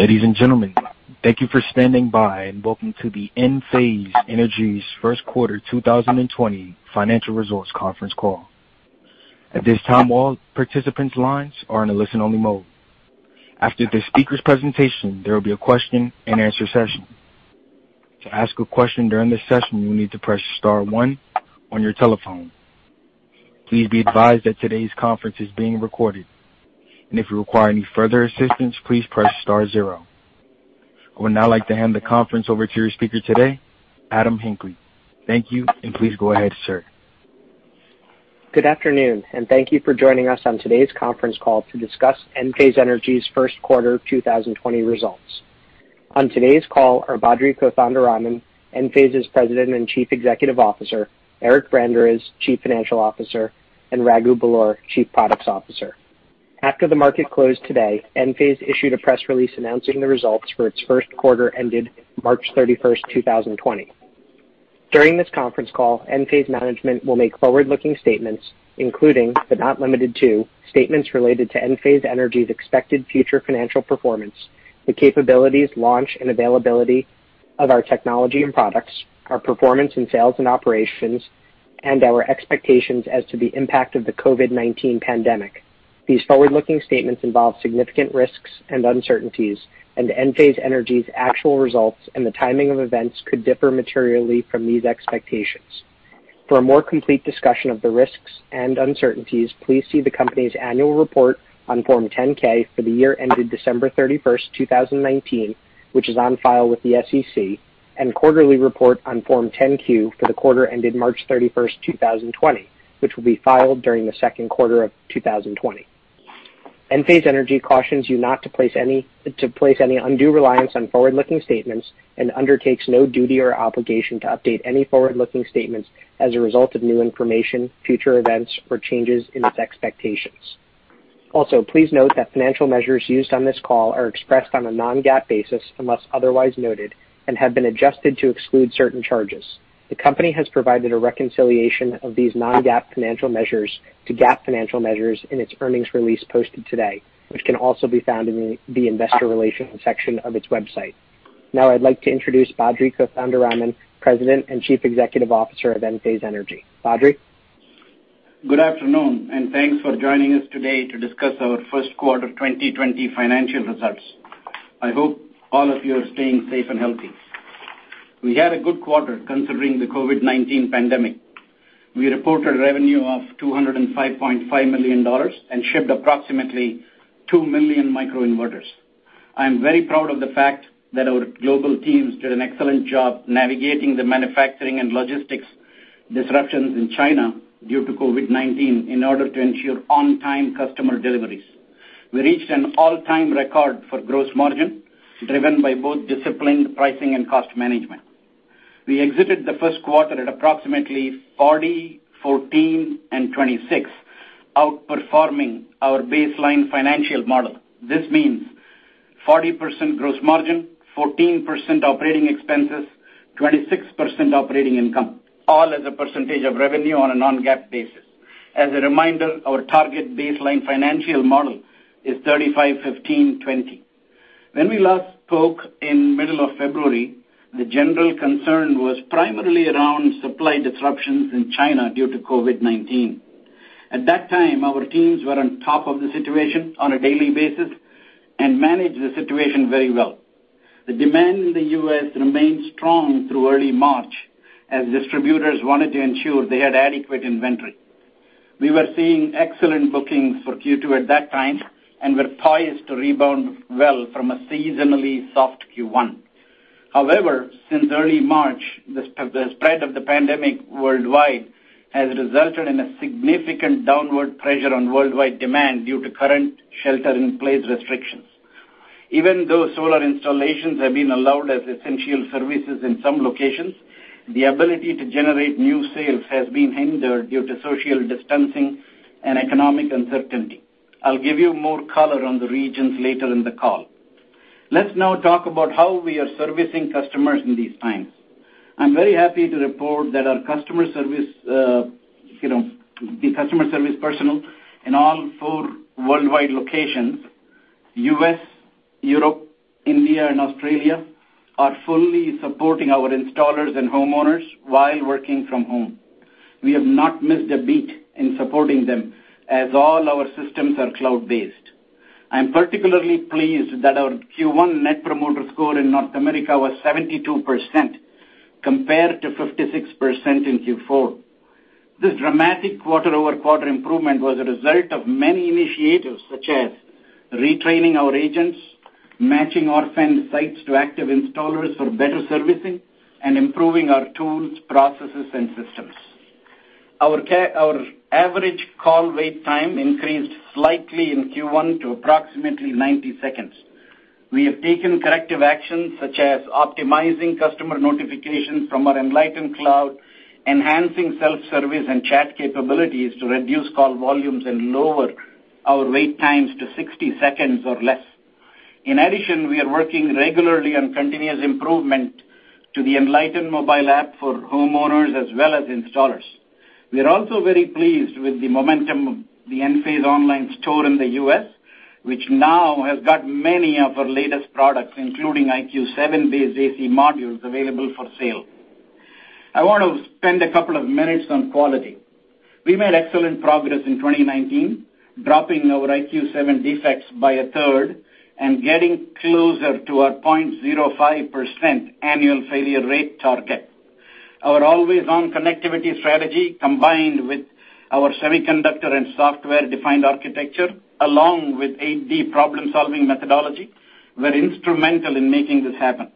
Ladies and gentlemen, thank you for standing by, welcome to the Enphase Energy's first quarter 2020 financial results conference call. At this time, all participants' lines are in a listen-only mode. After the speaker's presentation, there will be a question and answer session. To ask a question during the session, you'll need to press star one on your telephone. Please be advised that today's conference is being recorded, and if you require any further assistance, please press star zero. I would now like to hand the conference over to your speaker today, Adam Hinckley. Thank you, and please go ahead, sir. Good afternoon, thank you for joining us on today's conference call to discuss Enphase Energy's first quarter 2020 results. On today's call are Badri Kothandaraman, President and Chief Executive Officer, Eric Branderiz, Chief Financial Officer, and Raghu Belur, Chief Products Officer. After the market closed today, Enphase issued a press release announcing the results for its first quarter ended March 31st, 2020. During this conference call, Enphase management will make forward-looking statements, including, but not limited to, statements related to Enphase Energy's expected future financial performance, the capabilities, launch, and availability of our technology and products, our performance in sales and operations, and our expectations as to the impact of the COVID-19 pandemic. These forward-looking statements involve significant risks and uncertainties, Enphase Energy's actual results and the timing of events could differ materially from these expectations. For a more complete discussion of the risks and uncertainties, please see the company's annual report on Form 10-K for the year ended December 31st, 2019, which is on file with the SEC, and quarterly report on Form 10-Q for the quarter ended March 31st, 2020, which will be filed during the second quarter of 2020. Enphase Energy cautions you not to place any undue reliance on forward-looking statements and undertakes no duty or obligation to update any forward-looking statements as a result of new information, future events, or changes in its expectations. Also, please note that financial measures used on this call are expressed on a non-GAAP basis unless otherwise noted and have been adjusted to exclude certain charges. The company has provided a reconciliation of these non-GAAP financial measures to GAAP financial measures in its earnings release posted today, which can also be found in the investor relations section of its website. I'd like to introduce Badri Kothandaraman, President and Chief Executive Officer of Enphase Energy. Badri. Good afternoon, and thanks for joining us today to discuss our first quarter 2020 financial results. I hope all of you are staying safe and healthy. We had a good quarter considering the COVID-19 pandemic. We reported revenue of $205.5 million and shipped approximately 2 million microinverters. I am very proud of the fact that our global teams did an excellent job navigating the manufacturing and logistics disruptions in China due to COVID-19 in order to ensure on-time customer deliveries. We reached an all-time record for gross margin, driven by both disciplined pricing and cost management. We exited the first quarter at approximately 40%, 14%, and 26%, outperforming our baseline financial model. This means 40% gross margin, 14% operating expenses, 26% operating income, all as a percentage of revenue on a non-GAAP basis. As a reminder, our target baseline financial model is 35%, 15%, 20%. When we last spoke in middle of February, the general concern was primarily around supply disruptions in China due to COVID-19. At that time, our teams were on top of the situation on a daily basis and managed the situation very well. The demand in the U.S. remained strong through early March, as distributors wanted to ensure they had adequate inventory. We were seeing excellent bookings for Q2 at that time and were poised to rebound well from a seasonally soft Q1. However, since early March, the spread of the pandemic worldwide has resulted in a significant downward pressure on worldwide demand due to current shelter in place restrictions. Even though solar installations have been allowed as essential services in some locations, the ability to generate new sales has been hindered due to social distancing and economic uncertainty. I'll give you more color on the regions later in the call. Let's now talk about how we are servicing customers in these times. I'm very happy to report that our customer service personnel in all four worldwide locations, U.S., Europe, India, and Australia, are fully supporting our installers and homeowners while working from home. We have not missed a beat in supporting them as all our systems are cloud-based. I am particularly pleased that our Q1 Net Promoter Score in North America was 72% compared to 56% in Q4. This dramatic quarter-over-quarter improvement was a result of many initiatives such as retraining our agents, matching orphaned sites to active installers for better servicing, and improving our tools, processes, and systems. Our average call wait time increased slightly in Q1 to approximately 90 seconds. We have taken corrective actions such as optimizing customer notifications from our Enlighten cloud, enhancing self-service and chat capabilities to reduce call volumes and lower our wait times to 60 seconds or less. We are working regularly on continuous improvement to the Enlighten mobile app for homeowners as well as installers. We are also very pleased with the momentum of the Enphase online store in the U.S., which now has got many of our latest products, including IQ7-based AC modules available for sale. I want to spend a couple of minutes on quality. We made excellent progress in 2019, dropping our IQ7 defects by a third and getting closer to our 0.05% annual failure rate target. Our always-on connectivity strategy, combined with our semiconductor and software-defined architecture, along with 8D problem-solving methodology, were instrumental in making this happen.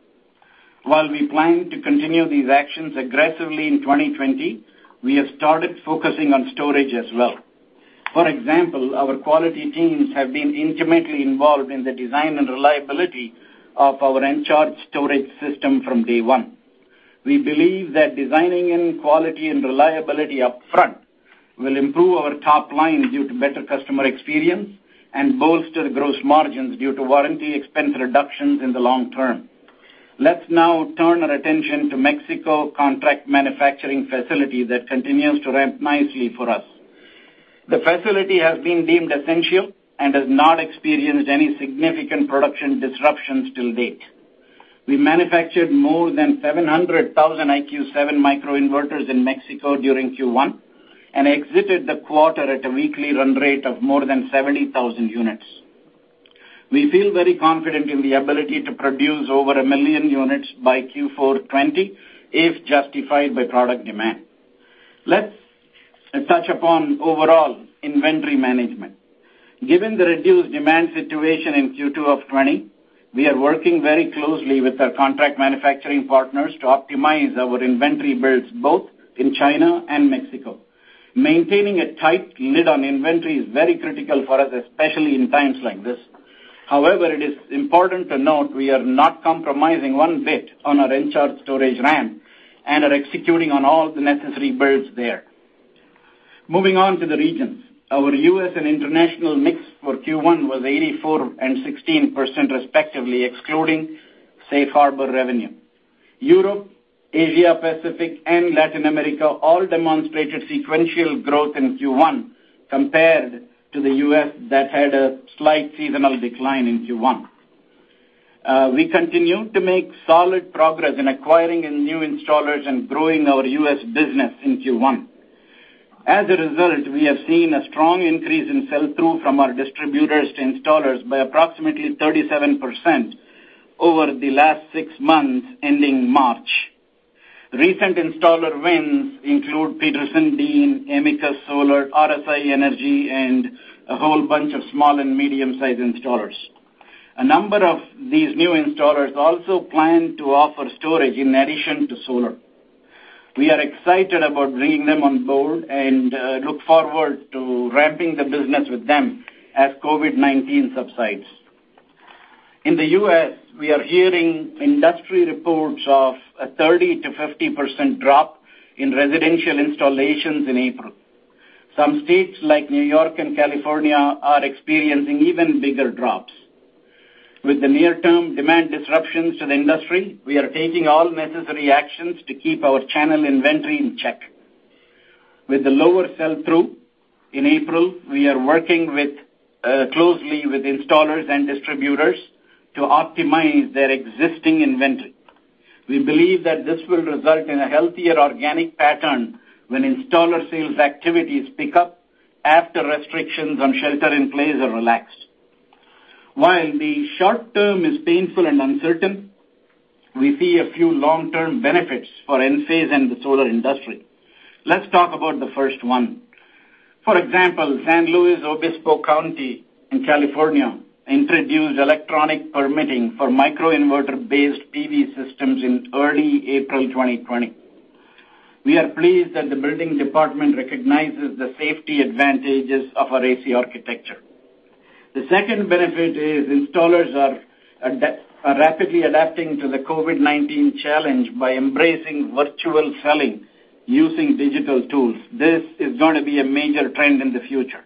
While we plan to continue these actions aggressively in 2020, we have started focusing on storage as well. For example, our quality teams have been intimately involved in the design and reliability of our Encharge storage system from day one. We believe that designing in quality and reliability upfront will improve our top line due to better customer experience and bolster gross margins due to warranty expense reductions in the long term. Let's now turn our attention to Mexico contract manufacturing facility that continues to ramp nicely for us. The facility has been deemed essential and has not experienced any significant production disruptions to date. We manufactured more than 700,000 IQ 7 microinverters in Mexico during Q1 and exited the quarter at a weekly run rate of more than 70,000 units. We feel very confident in the ability to produce over 1 million units by Q4 2020, if justified by product demand. Let's touch upon overall inventory management. Given the reduced demand situation in Q2 of 2020, we are working very closely with our contract manufacturing partners to optimize our inventory builds both in China and Mexico. Maintaining a tight lid on inventory is very critical for us, especially in times like this. It is important to note we are not compromising one bit on our Encharge storage ramp and are executing on all the necessary builds there. Moving on to the regions. Our U.S. and international mix for Q1 was 84% and 16% respectively, excluding safe harbor revenue. Europe, Asia Pacific, and Latin America all demonstrated sequential growth in Q1 compared to the U.S. that had a slight seasonal decline in Q1. We continue to make solid progress in acquiring new installers and growing our U.S. business in Q1. As a result, we have seen a strong increase in sell-through from our distributors to installers by approximately 37% over the last six months, ending March. Recent installer wins include PetersenDean, Amicus Solar, RSI, and a whole bunch of small and medium-sized installers. A number of these new installers also plan to offer storage in addition to solar. We are excited about bringing them on board and look forward to ramping the business with them as COVID-19 subsides. In the U.S., we are hearing industry reports of a 30%-50% drop in residential installations in April. Some states, like New York and California, are experiencing even bigger drops. With the near-term demand disruptions to the industry, we are taking all necessary actions to keep our channel inventory in check. With the lower sell-through in April, we are working closely with installers and distributors to optimize their existing inventory. We believe that this will result in a healthier organic pattern when installer sales activities pick up after restrictions on shelter in place are relaxed. While the short term is painful and uncertain, we see a few long-term benefits for Enphase and the solar industry. Let's talk about the first one. For example, San Luis Obispo County in California introduced electronic permitting for microinverter-based PV systems in early April 2020. We are pleased that the building department recognizes the safety advantages of our AC architecture. The second benefit is installers are rapidly adapting to the COVID-19 challenge by embracing virtual selling using digital tools. This is going to be a major trend in the future.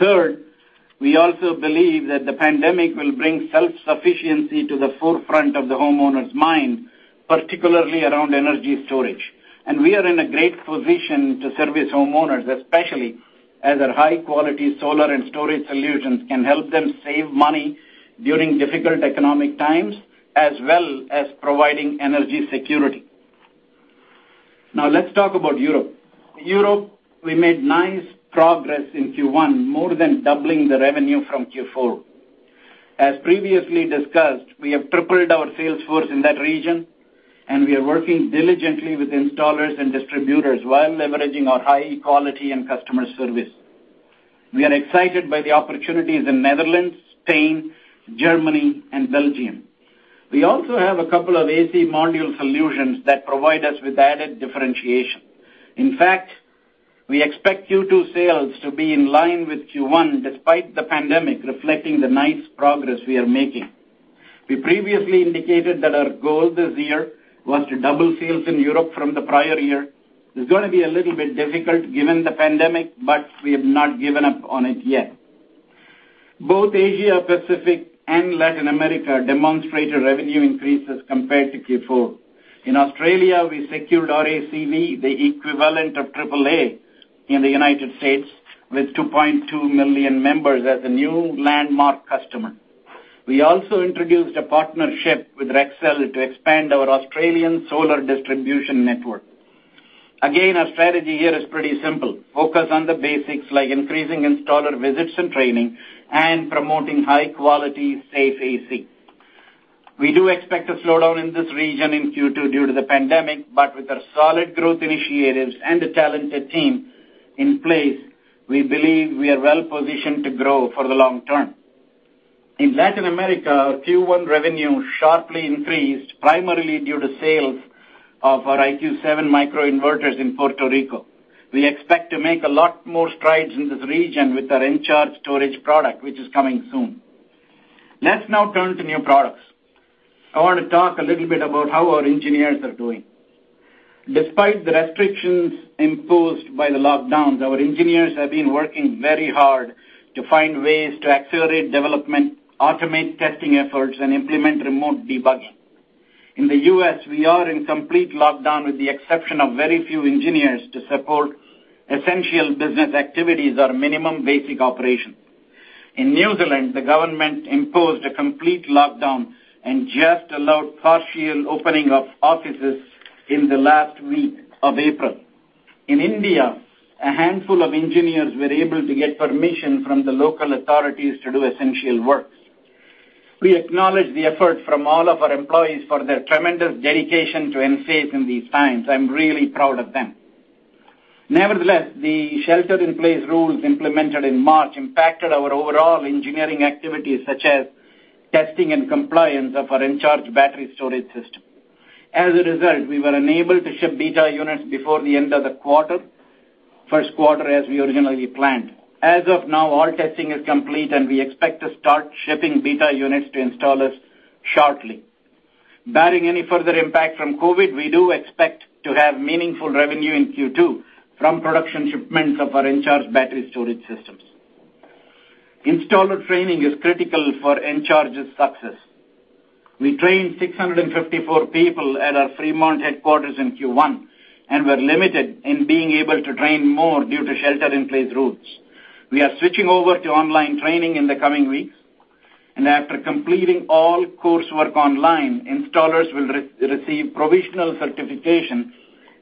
Third, we also believe that the pandemic will bring self-sufficiency to the forefront of the homeowner's mind, particularly around energy storage. We are in a great position to service homeowners, especially as our high-quality solar and storage solutions can help them save money during difficult economic times, as well as providing energy security. Let's talk about Europe. Europe, we made nice progress in Q1, more than doubling the revenue from Q4. As previously discussed, we have tripled our sales force in that region, and we are working diligently with installers and distributors while leveraging our high quality and customer service. We are excited by the opportunities in Netherlands, Spain, Germany, and Belgium. We also have a couple of AC module solutions that provide us with added differentiation. In fact, we expect Q2 sales to be in line with Q1 despite the pandemic, reflecting the nice progress we are making. We previously indicated that our goal this year was to double sales in Europe from the prior year. It's going to be a little bit difficult given the pandemic, but we have not given up on it yet. Both Asia Pacific and Latin America demonstrated revenue increases compared to Q4. In Australia, we secured RACV, the equivalent of AAA in the United States, with 2.2 million members as a new landmark customer. We also introduced a partnership with Rexel to expand our Australian solar distribution network. Again, our strategy here is pretty simple. Focus on the basics like increasing installer visits and training and promoting high-quality, safe AC. We do expect a slowdown in this region in Q2 due to the pandemic, but with our solid growth initiatives and a talented team in place, we believe we are well-positioned to grow for the long term. In Latin America, our Q1 revenue sharply increased, primarily due to sales of our IQ 7 microinverters in Puerto Rico. We expect to make a lot more strides in this region with our Encharge storage product, which is coming soon. Let's now turn to new products. I want to talk a little bit about how our engineers are doing. Despite the restrictions imposed by the lockdowns, our engineers have been working very hard to find ways to accelerate development, automate testing efforts, and implement remote debugging. In the U.S., we are in complete lockdown, with the exception of very few engineers to support essential business activities or minimum basic operations. In New Zealand, the government imposed a complete lockdown and just allowed partial opening of offices in the last week of April. In India, a handful of engineers were able to get permission from the local authorities to do essential works. We acknowledge the effort from all of our employees for their tremendous dedication to Enphase in these times. I'm really proud of them. Nevertheless, the shelter-in-place rules implemented in March impacted our overall engineering activities, such as testing and compliance of our Encharge battery storage system. As a result, we were unable to ship beta units before the end of the first quarter as we originally planned. As of now, all testing is complete, and we expect to start shipping beta units to installers shortly. Barring any further impact from COVID-19, we do expect to have meaningful revenue in Q2 from production shipments of our Encharge battery storage systems. Installer training is critical for Encharge's success. We trained 654 people at our Fremont headquarters in Q1 and were limited in being able to train more due to shelter-in-place rules. We are switching over to online training in the coming weeks, and after completing all coursework online, installers will receive provisional certification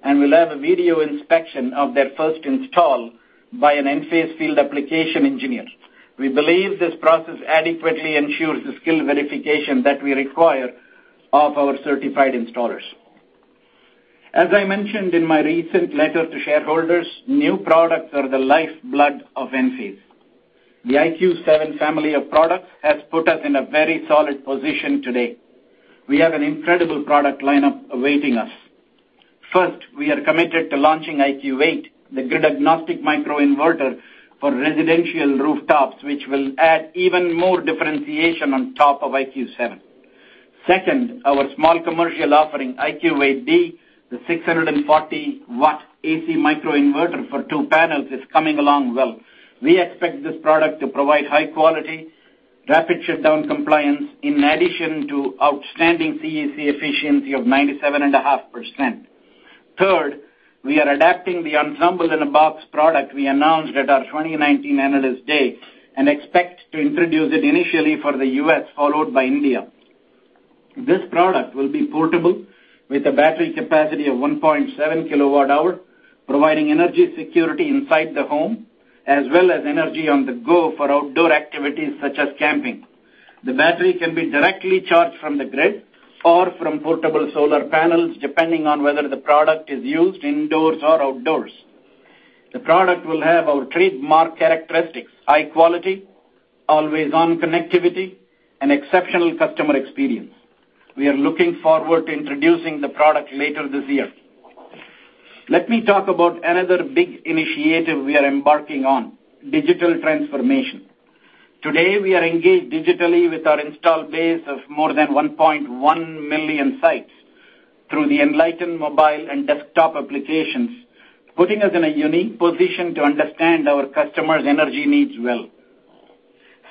and will have a video inspection of their first install by an Enphase Field Application Engineer. We believe this process adequately ensures the skill verification that we require of our certified installers. As I mentioned in my recent letter to shareholders, new products are the lifeblood of Enphase. The IQ 7 family of products has put us in a very solid position today. We have an incredible product lineup awaiting us. First, we are committed to launching IQ8, the grid-agnostic microinverter for residential rooftops, which will add even more differentiation on top of IQ 7. Second, our small commercial offering, IQ8D, the 640-watt AC microinverter for 2 panels, is coming along well. We expect this product to provide high quality, rapid shutdown compliance in addition to outstanding CEC efficiency of 97.5%. Third, we are adapting the Ensemble in a Box product we announced at our 2019 Analyst Day and expect to introduce it initially for the U.S., followed by India. This product will be portable with a battery capacity of 1.7 kilowatt hour, providing energy security inside the home, as well as energy on the go for outdoor activities such as camping. The battery can be directly charged from the grid or from portable solar panels, depending on whether the product is used indoors or outdoors. The product will have our trademark characteristics, high quality, always-on connectivity, and exceptional customer experience. We are looking forward to introducing the product later this year. Let me talk about another big initiative we are embarking on, digital transformation. Today, we are engaged digitally with our installed base of more than 1.1 million sites through the Enlighten mobile and desktop applications, putting us in a unique position to understand our customers' energy needs well.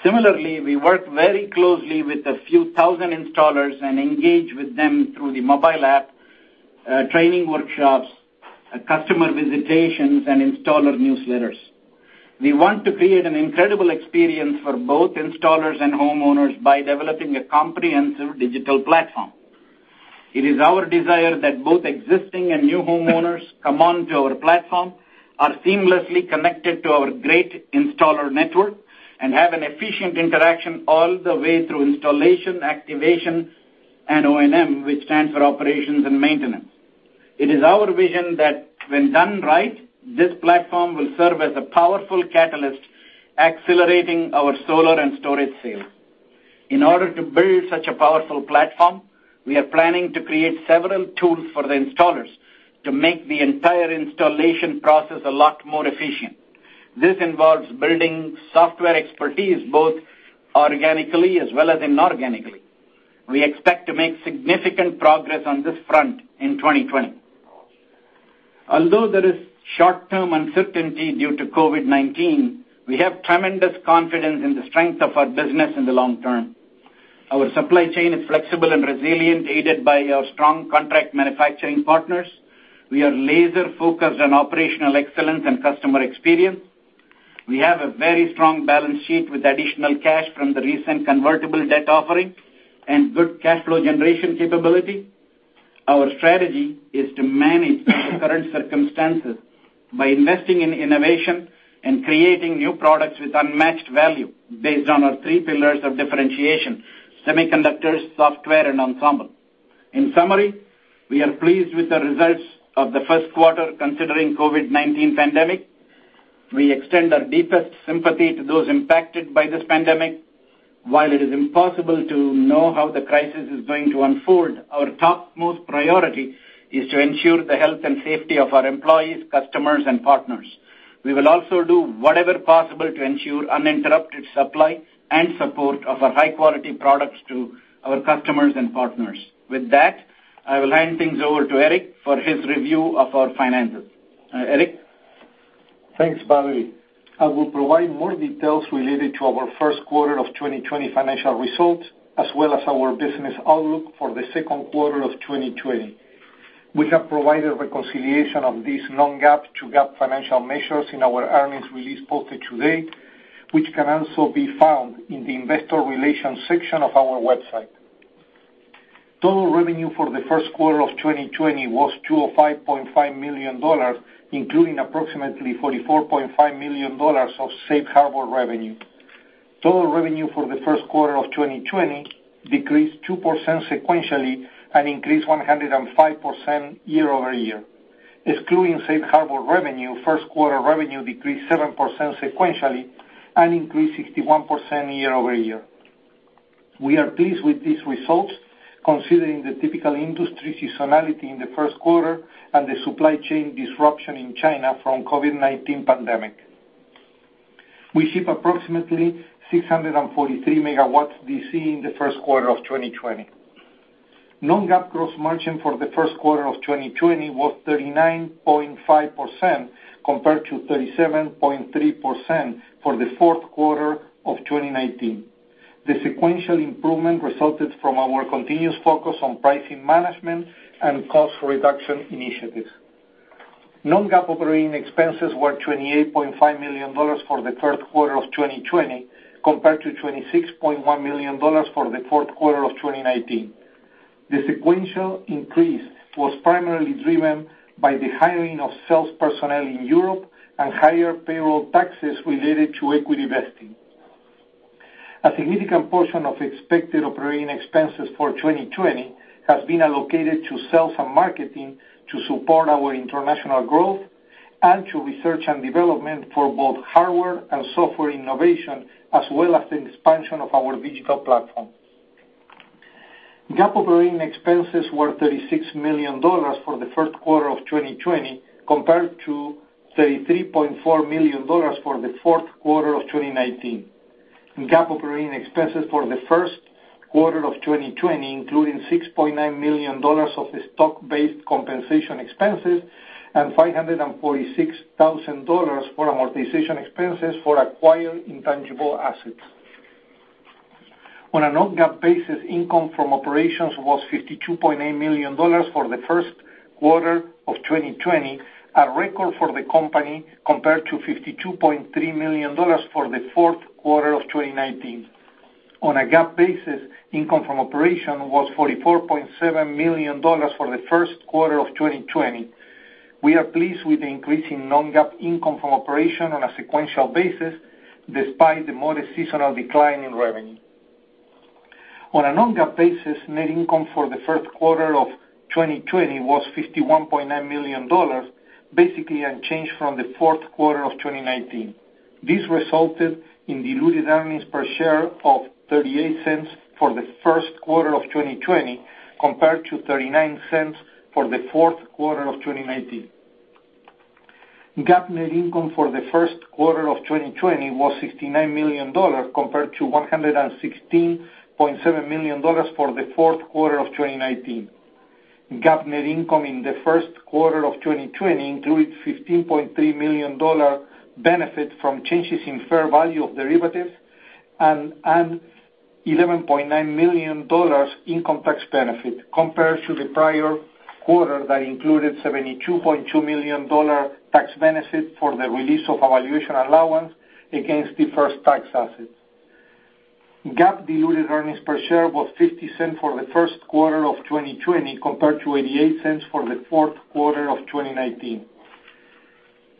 Similarly, we work very closely with a few thousand installers and engage with them through the mobile app, training workshops, customer visitations, and installer newsletters. We want to create an incredible experience for both installers and homeowners by developing a comprehensive digital platform. It is our desire that both existing and new homeowners come onto our platform, are seamlessly connected to our great installer network, and have an efficient interaction all the way through installation, activation, and O&M, which stands for operations and maintenance. It is our vision that when done right, this platform will serve as a powerful catalyst, accelerating our solar and storage sales. In order to build such a powerful platform, we are planning to create several tools for the installers to make the entire installation process a lot more efficient. This involves building software expertise, both organically as well as inorganically. We expect to make significant progress on this front in 2020. Although there is short-term uncertainty due to COVID-19, we have tremendous confidence in the strength of our business in the long term. Our supply chain is flexible and resilient, aided by our strong contract manufacturing partners. We are laser-focused on operational excellence and customer experience. We have a very strong balance sheet with additional cash from the recent convertible debt offering and good cash flow generation capability. Our strategy is to manage the current circumstances by investing in innovation and creating new products with unmatched value based on our three pillars of differentiation, semiconductors, software, and Ensemble. In summary, we are pleased with the results of the first quarter considering COVID-19 pandemic. We extend our deepest sympathy to those impacted by this pandemic. While it is impossible to know how the crisis is going to unfold, our topmost priority is to ensure the health and safety of our employees, customers, and partners. We will also do whatever possible to ensure uninterrupted supply and support of our high-quality products to our customers and partners. With that, I will hand things over to Eric for his review of our finances. Eric? Thanks, Badri. I will provide more details related to our first quarter of 2020 financial results, as well as our business outlook for the second quarter of 2020. We have provided reconciliation of these non-GAAP to GAAP financial measures in our earnings release posted today, which can also be found in the investor relations section of our website. Total revenue for the first quarter of 2020 was $205.5 million, including approximately $44.5 million of safe harbor revenue. Total revenue for the first quarter of 2020 decreased 2% sequentially and increased 105% year-over-year. Excluding safe harbor revenue, first quarter revenue decreased 7% sequentially and increased 61% year-over-year. We are pleased with these results, considering the typical industry seasonality in the first quarter and the supply chain disruption in China from COVID-19 pandemic. We ship approximately 643 megawatts DC in the first quarter of 2020. Non-GAAP gross margin for the first quarter of 2020 was 39.5% compared to 37.3% for the fourth quarter of 2019. The sequential improvement resulted from our continuous focus on pricing management and cost reduction initiatives. Non-GAAP operating expenses were $28.5 million for the first quarter of 2020, compared to $26.1 million for the fourth quarter of 2019. The sequential increase was primarily driven by the hiring of sales personnel in Europe and higher payroll taxes related to equity vesting. A significant portion of expected operating expenses for 2020 has been allocated to sales and marketing to support our international growth and to research and development for both hardware and software innovation, as well as the expansion of our digital platforms. GAAP operating expenses were $36 million for the first quarter of 2020, compared to $33.4 million for the fourth quarter of 2019. GAAP operating expenses for the first quarter of 2020, including $6.9 million of the stock-based compensation expenses and $546,000 for amortization expenses for acquired intangible assets. On a non-GAAP basis, income from operations was $52.8 million for the first quarter of 2020, a record for the company, compared to $52.3 million for the fourth quarter of 2019. On a GAAP basis, income from operation was $44.7 million for the first quarter of 2020. We are pleased with the increase in non-GAAP income from operation on a sequential basis, despite the modest seasonal decline in revenue. On a non-GAAP basis, net income for the first quarter of 2020 was $51.9 million, basically unchanged from the fourth quarter of 2019. This resulted in diluted earnings per share of $0.38 for the first quarter of 2020, compared to $0.39 for the fourth quarter of 2019. GAAP net income for the first quarter of 2020 was $69 million compared to $116.7 million for the fourth quarter of 2019. GAAP net income in the first quarter of 2020 included $15.3 million benefit from changes in fair value of derivatives and $11.9 million in income tax benefit, compared to the prior quarter that included $72.2 million tax benefit for the release of our valuation allowance against deferred tax assets. GAAP diluted earnings per share was $0.50 for the first quarter of 2020, compared to $0.88 for the fourth quarter of 2019.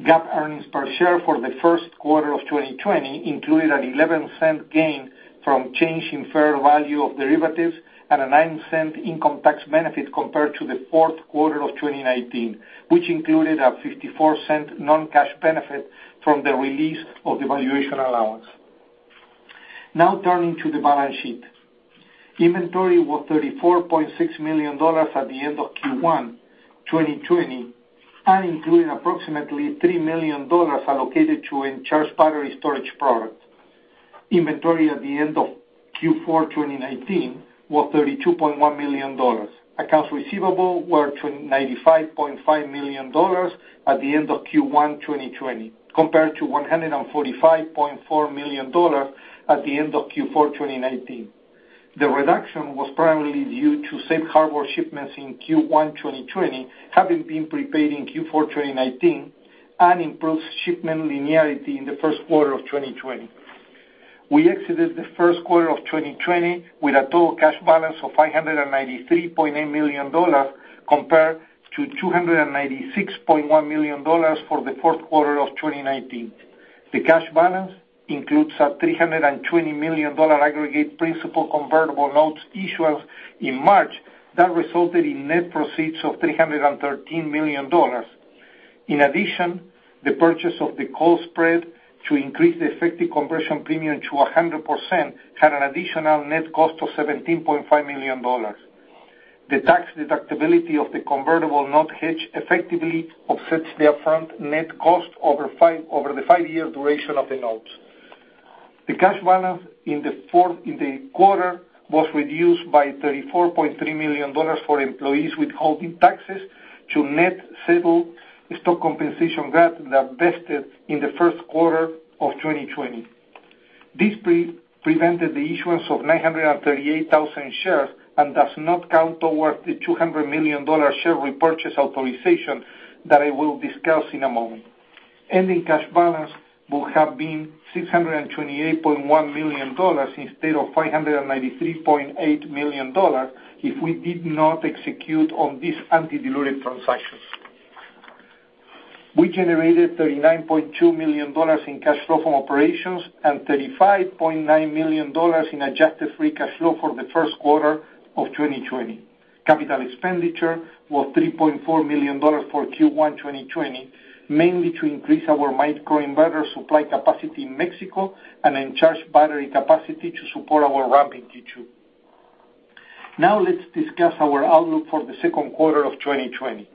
GAAP earnings per share for the first quarter of 2020 included an $0.11 gain from change in fair value of derivatives at a $0.09 income tax benefit compared to the fourth quarter of 2019, which included a $0.54 non-cash benefit from the release of the valuation allowance. Now turning to the balance sheet. Inventory was $34.6 million at the end of Q1 2020, including approximately $3 million allocated to Encharge battery storage products. Inventory at the end of Q4 2019 was $32.1 million. Accounts receivable were $95.5 million at the end of Q1 2020, compared to $145.4 million at the end of Q4 2019. The reduction was primarily due to safe harbor shipments in Q1 2020, having been prepaid in Q4 2019, and improved shipment linearity in the first quarter of 2020. We exited the first quarter of 2020 with a total cash balance of $593.8 million compared to $296.1 million for the fourth quarter of 2019. The cash balance includes a $320 million aggregate principal convertible notes issuance in March that resulted in net proceeds of $313 million. In addition, the purchase of the call spread to increase the effective conversion premium to 100% had an additional net cost of $17.5 million. The tax deductibility of the convertible note hedge effectively offsets the upfront net cost over the five-year duration of the notes. The cash balance in the quarter was reduced by $34.3 million for employees withholding taxes to net settle stock compensation grant that vested in the first quarter of 2020. This prevented the issuance of 938,000 shares and does not count towards the $200 million share repurchase authorization that I will discuss in a moment. Ending cash balance would have been $628.1 million instead of $593.8 million if we did not execute on this anti-dilutive transaction. We generated $39.2 million in cash flow from operations and $35.9 million in adjusted free cash flow for the first quarter of 2020. CapEx was $3.4 million for Q1 2020, mainly to increase our microinverter supply capacity in Mexico and Encharge battery capacity to support our ramping Q2. Let's discuss our outlook for the second quarter of 2020.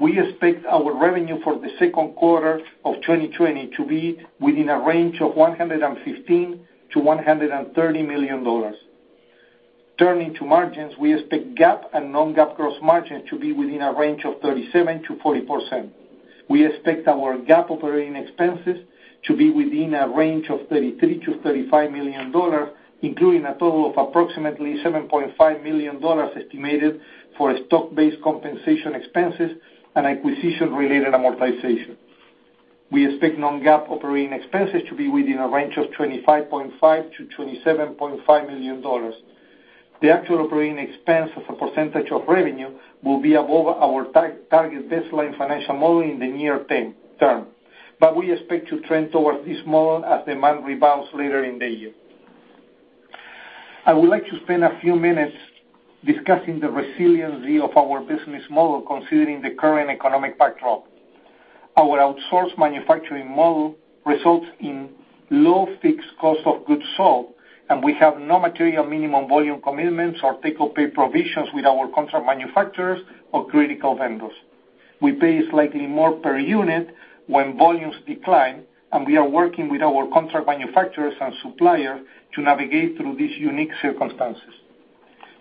We expect our revenue for the second quarter of 2020 to be within a range of $115 million-$130 million. Turning to margins, we expect GAAP and non-GAAP gross margin to be within a range of 37%-40%. We expect our GAAP OpEx to be within a range of $33 million-$35 million, including a total of approximately $7.5 million estimated for stock-based compensation expenses and acquisition-related amortization. We expect non-GAAP OpEx to be within a range of $25.5 million-$27.5 million. The actual operating expense as a % of revenue will be above our target baseline financial model in the near term, but we expect to trend towards this model as demand rebounds later in the year. I would like to spend a few minutes discussing the resiliency of our business model considering the current economic backdrop. Our outsourced manufacturing model results in low fixed cost of goods sold, and we have no material minimum volume commitments or take or pay provisions with our contract manufacturers or critical vendors. We pay slightly more per unit when volumes decline, and we are working with our contract manufacturers and suppliers to navigate through these unique circumstances.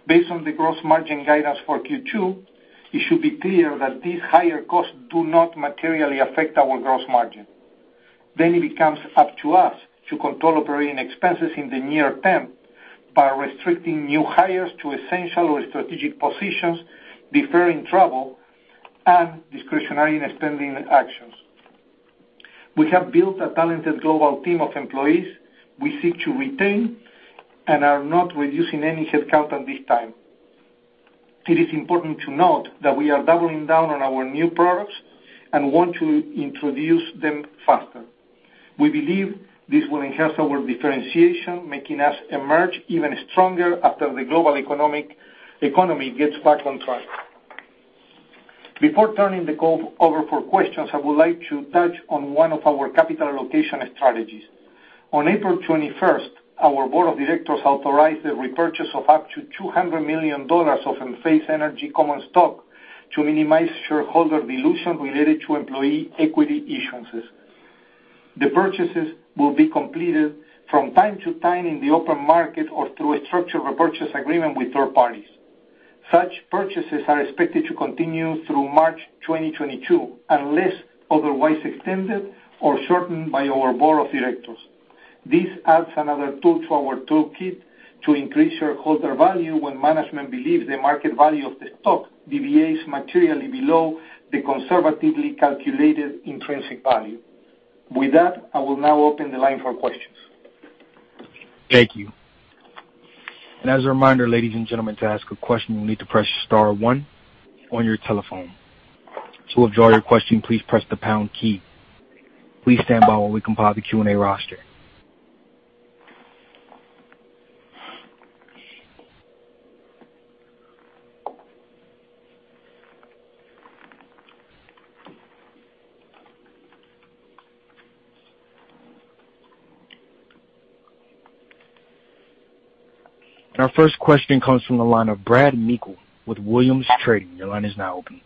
Based on the gross margin guidance for Q2, it should be clear that these higher costs do not materially affect our gross margin. It becomes up to us to control operating expenses in the near term by restricting new hires to essential or strategic positions, deferring travel, and discretionary spending actions. We have built a talented global team of employees we seek to retain and are not reducing any headcount at this time. It is important to note that we are doubling down on our new products and want to introduce them faster. We believe this will enhance our differentiation, making us emerge even stronger after the global economy gets back on track. Before turning the call over for questions, I would like to touch on one of our capital allocation strategies. On April 21st, our board of directors authorized the repurchase of up to $200 million of Enphase Energy common stock to minimize shareholder dilution related to employee equity issuances. The purchases will be completed from time to time in the open market or through a structured repurchase agreement with third parties. Such purchases are expected to continue through March 2022, unless otherwise extended or shortened by our board of directors. This adds another tool to our toolkit to increase shareholder value when management believes the market value of the stock deviates materially below the conservatively calculated intrinsic value. With that, I will now open the line for questions. Thank you. And as a reminder, ladies and gentlemen, to ask a question, you'll need to press star one on your telephone. To withdraw your question, please press the pound key. Please stand by while we compile the Q&A roster. Our first question comes from the line of Brad Meikle with Williams Trading. Your line is now open.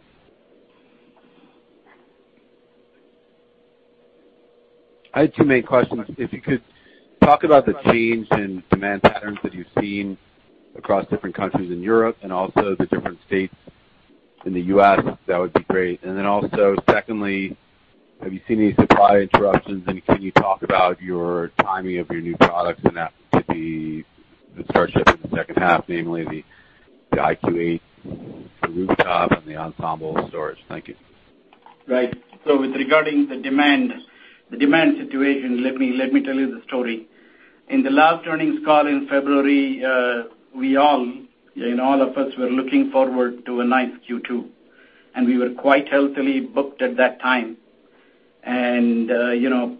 I had two main questions. If you could talk about the change in demand patterns that you've seen across different countries in Europe and also the different states in the U.S., that would be great. Also, secondly, have you seen any supply interruptions, and can you talk about your timing of your new products and that could be the start ship in the second half, namely the IQ8, the Rooftop, and the Ensemble storage? Thank you. Right. With regarding the demand situation, let me tell you the story. In the last earnings call in February, all of us were looking forward to a nice Q2, and we were quite healthily booked at that time. Suddenly,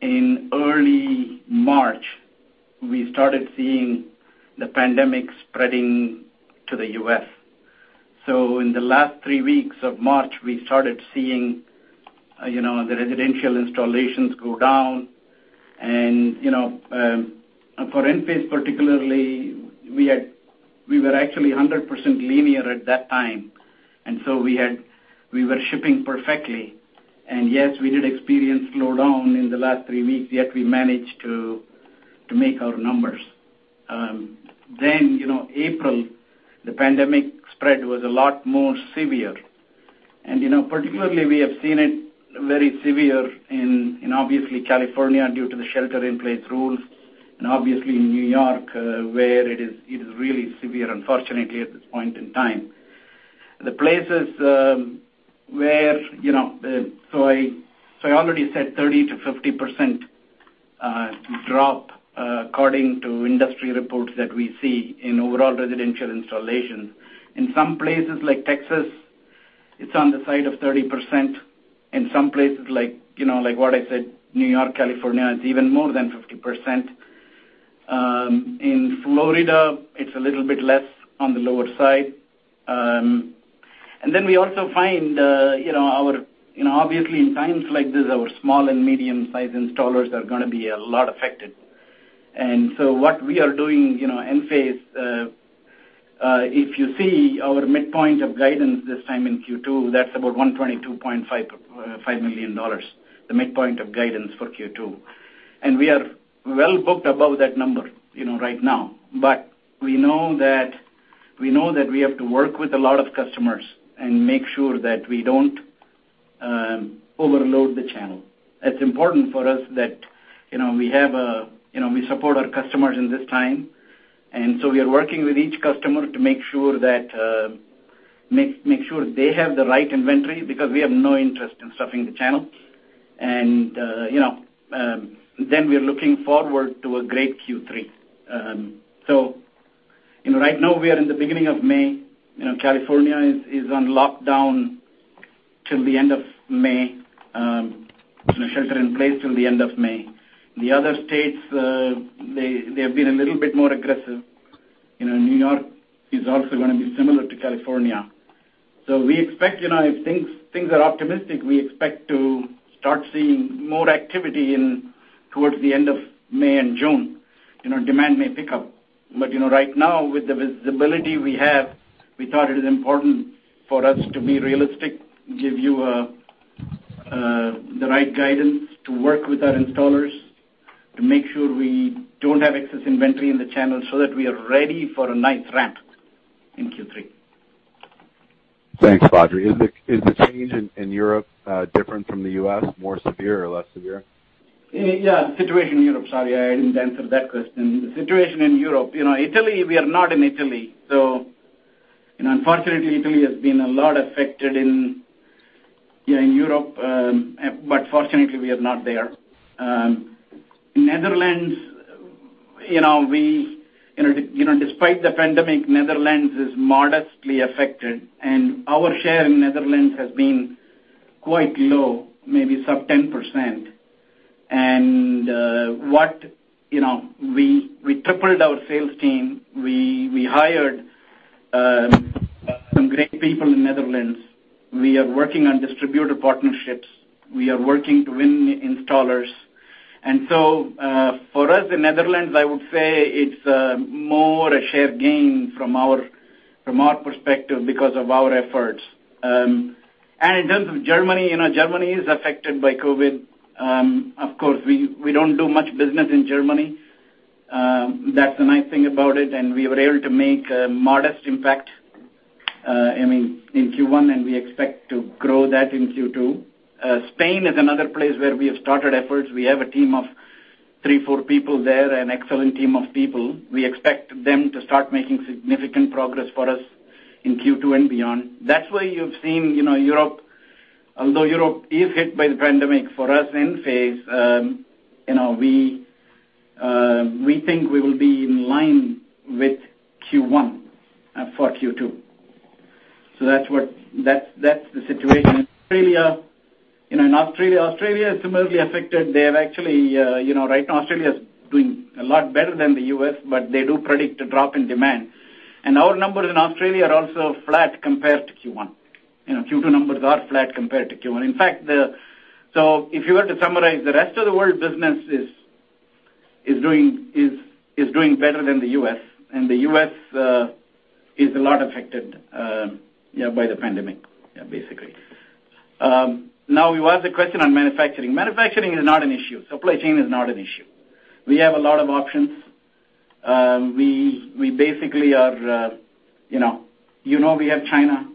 in early March, we started seeing the pandemic spreading to the U.S. In the last three weeks of March, we started seeing the residential installations go down. For Enphase particularly, we were actually 100% linear at that time. We were shipping perfectly. Yes, we did experience slowdown in the last three weeks, yet we managed to make our numbers. April, the pandemic spread was a lot more severe. Particularly, we have seen it very severe in obviously California due to the shelter-in-place rules, and obviously in New York, where it is really severe, unfortunately, at this point in time. I already said 30%-50% drop, according to industry reports that we see in overall residential installations. In some places like Texas, it's on the side of 30%. In some places like what I said, New York, California, it's even more than 50%. In Florida, it's a little bit less on the lower side. Then we also find, obviously in times like this, our small and medium-size installers are going to be a lot affected. What we are doing, Enphase, if you see our midpoint of guidance this time in Q2, that's about $122.5 million, the midpoint of guidance for Q2. We are well booked above that number right now. We know that we have to work with a lot of customers and make sure that we don't overload the channel. It's important for us that we support our customers in this time. We are working with each customer to make sure they have the right inventory, because we have no interest in stuffing the channel. We're looking forward to a great Q3. Right now, we are in the beginning of May. California is on lockdown till the end of May, shelter-in-place till the end of May. The other states, they have been a little bit more aggressive. New York is also going to be similar to California. If things are optimistic, we expect to start seeing more activity towards the end of May and June. Demand may pick up. Right now, with the visibility we have, we thought it is important for us to be realistic, give you the right guidance to work with our installers, to make sure we don't have excess inventory in the channel so that we are ready for a nice ramp in Q3. Thanks, Badri. Is the change in Europe different from the U.S., more severe or less severe? Yeah, the situation in Europe. Sorry, I didn't answer that question. The situation in Europe. Italy, we are not in Italy. Unfortunately, Italy has been a lot affected in Europe. Fortunately, we are not there. Netherlands, despite the pandemic, Netherlands is modestly affected, and our share in Netherlands has been quite low, maybe sub 10%. We tripled our sales team. We hired some great people in Netherlands. We are working on distributor partnerships. We are working to win installers. For us in Netherlands, I would say it's more a share gain from our perspective because of our efforts. In terms of Germany is affected by COVID. Of course, we don't do much business in Germany. That's the nice thing about it. We were able to make a modest impact in Q1, and we expect to grow that in Q2. Spain is another place where we have started efforts. We have a team of three, four people there, an excellent team of people. We expect them to start making significant progress for us in Q2 and beyond. You've seen Europe, although Europe is hit by the pandemic, for us, Enphase, we think we will be in line with Q1 for Q2. That's the situation. In Australia is similarly affected. Right now, Australia is doing a lot better than the U.S., they do predict a drop in demand. Our numbers in Australia are also flat compared to Q1. Q2 numbers are flat compared to Q1. In fact, if you were to summarize, the rest of the world business is doing better than the U.S., the U.S. is a lot affected by the pandemic, basically. Now, you asked the question on manufacturing. Manufacturing is not an issue. Supply chain is not an issue. We have a lot of options. You know we have China.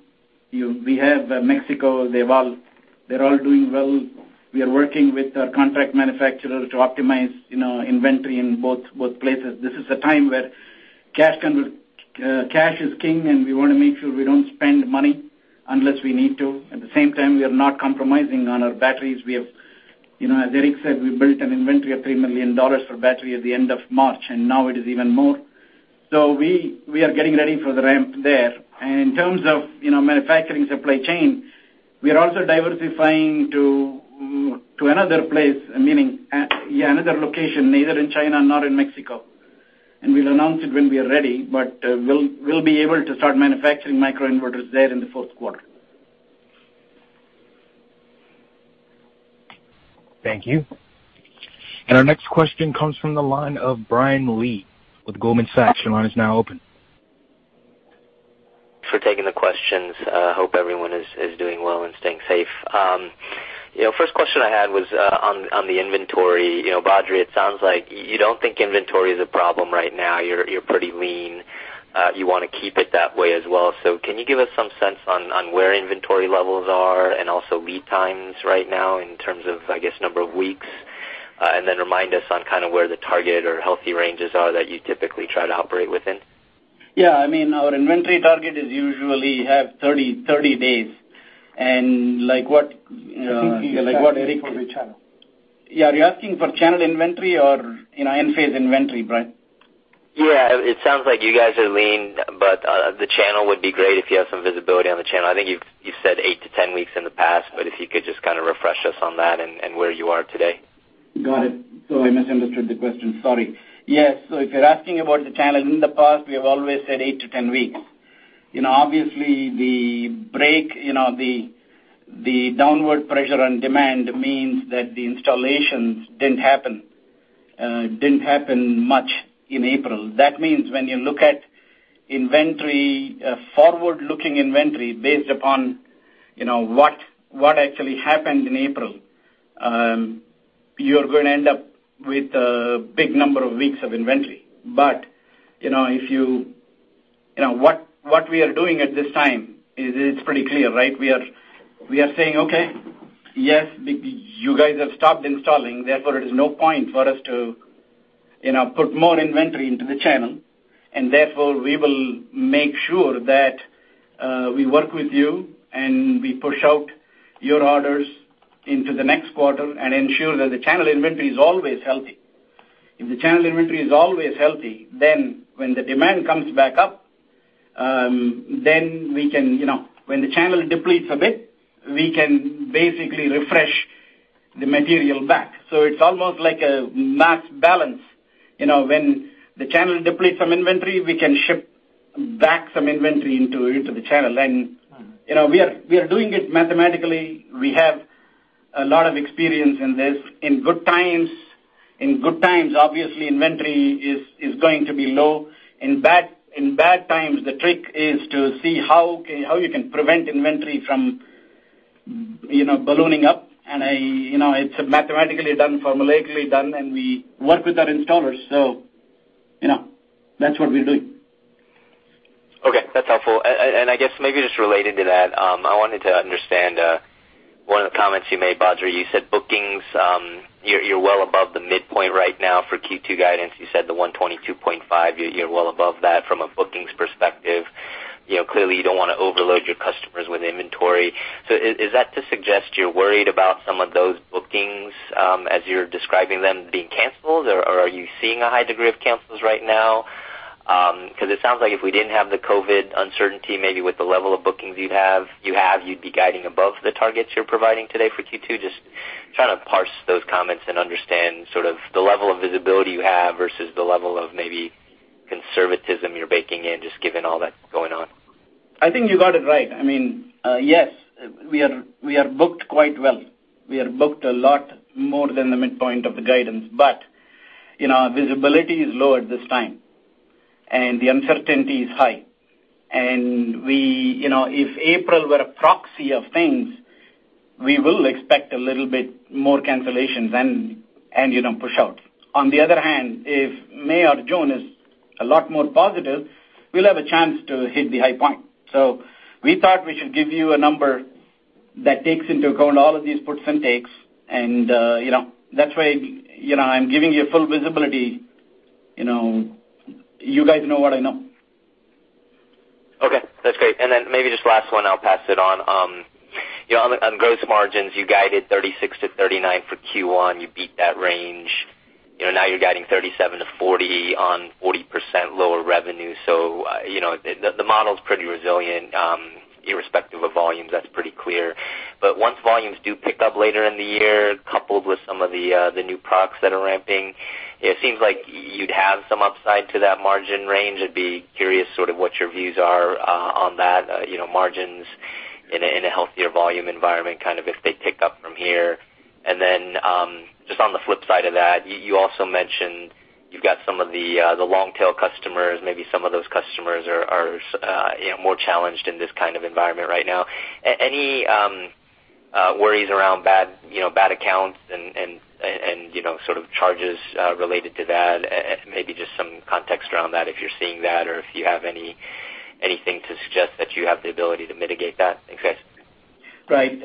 We have Mexico, they're all doing well. We are working with our contract manufacturer to optimize inventory in both places. This is a time where cash is king. We want to make sure we don't spend money unless we need to. At the same time, we are not compromising on our batteries. As Eric said, we built an inventory of $3 million for battery at the end of March. Now it is even more. We are getting ready for the ramp there. In terms of manufacturing supply chain, we are also diversifying to another place, meaning another location, neither in China nor in Mexico. We'll announce it when we are ready, but we'll be able to start manufacturing microinverters there in the fourth quarter. Thank you. Our next question comes from the line of Brian Lee with Goldman Sachs. Your line is now open. For taking the questions. Hope everyone is doing well and staying safe. First question I had was on the inventory. Badri, it sounds like you don't think inventory is a problem right now. You're pretty lean. You want to keep it that way as well. Can you give us some sense on where inventory levels are and also lead times right now in terms of, I guess, number of weeks? Then remind us on where the target or healthy ranges are that you typically try to operate within. Yeah. Our inventory target is usually have 30 days. I think he is asking for the channel. Yeah. Are you asking for channel inventory or Enphase inventory, Brian? Yeah. It sounds like you guys are lean, but the channel would be great if you have some visibility on the channel. I think you said eight-10 weeks in the past, but if you could just kind of refresh us on that and where you are today. Got it. I misunderstood the question. Sorry. Yes. If you're asking about the channel, in the past, we have always said 8 to 10 weeks. Obviously, the break, the downward pressure on demand means that the installations didn't happen much in April. That means when you look at forward-looking inventory based upon what actually happened in April, you're going to end up with a big number of weeks of inventory. What we are doing at this time is pretty clear, right? We are saying, "Okay. Yes, you guys have stopped installing. Therefore, there's no point for us to put more inventory into the channel. Therefore, we will make sure that we work with you, and we push out your orders into the next quarter and ensure that the channel inventory is always healthy. If the channel inventory is always healthy, then when the demand comes back up, when the channel depletes a bit, we can basically refresh the material back. It's almost like a mass balance. When the channel depletes some inventory, we can ship back some inventory into the channel. We are doing it mathematically. We have a lot of experience in this. In good times, obviously, inventory is going to be low. In bad times, the trick is to see how you can prevent inventory from ballooning up. It's mathematically done, formulaically done, and we work with our installers. That's what we're doing. Okay. That's helpful. I guess maybe just related to that, I wanted to understand, one of the comments you made, Badri, you said bookings, you're well above the midpoint right now for Q2 guidance. You said the $122.5, you're well above that from a bookings perspective. Clearly, you don't want to overload your customers with inventory. Is that to suggest you're worried about some of those bookings, as you're describing them being canceled, or are you seeing a high degree of cancels right now? It sounds like if we didn't have the COVID-19 uncertainty, maybe with the level of bookings you have, you'd be guiding above the targets you're providing today for Q2. Just trying to parse those comments and understand sort of the level of visibility you have versus the level of maybe conservatism you're baking in, just given all that going on. I think you got it right. Yes, we are booked quite well. We are booked a lot more than the midpoint of the guidance. Our visibility is low at this time, and the uncertainty is high. If April were a proxy of things, we will expect a little bit more cancellations and pushouts. On the other hand, if May or June is a lot more positive, we'll have a chance to hit the high point. We thought we should give you a number that takes into account all of these puts and takes. That's why I'm giving you full visibility. You guys know what I know. Okay. That's great. Maybe just last one, I'll pass it on. On gross margins, you guided 36%-39% for Q1. You beat that range. Now you're guiding 37%-40% on 40% lower revenue. The model's pretty resilient, irrespective of volumes, that's pretty clear. Once volumes do pick up later in the year, coupled with some of the new products that are ramping, it seems like you'd have some upside to that margin range. I'd be curious sort of what your views are on that. Margins in a healthier volume environment, kind of if they pick up from here. Just on the flip side of that, you also mentioned you've got some of the long-tail customers, maybe some of those customers are more challenged in this kind of environment right now. Any worries around bad accounts and sort of charges related to that? Maybe just some context around that, if you're seeing that or if you have anything to suggest that you have the ability to mitigate that. Thanks, guys. Right.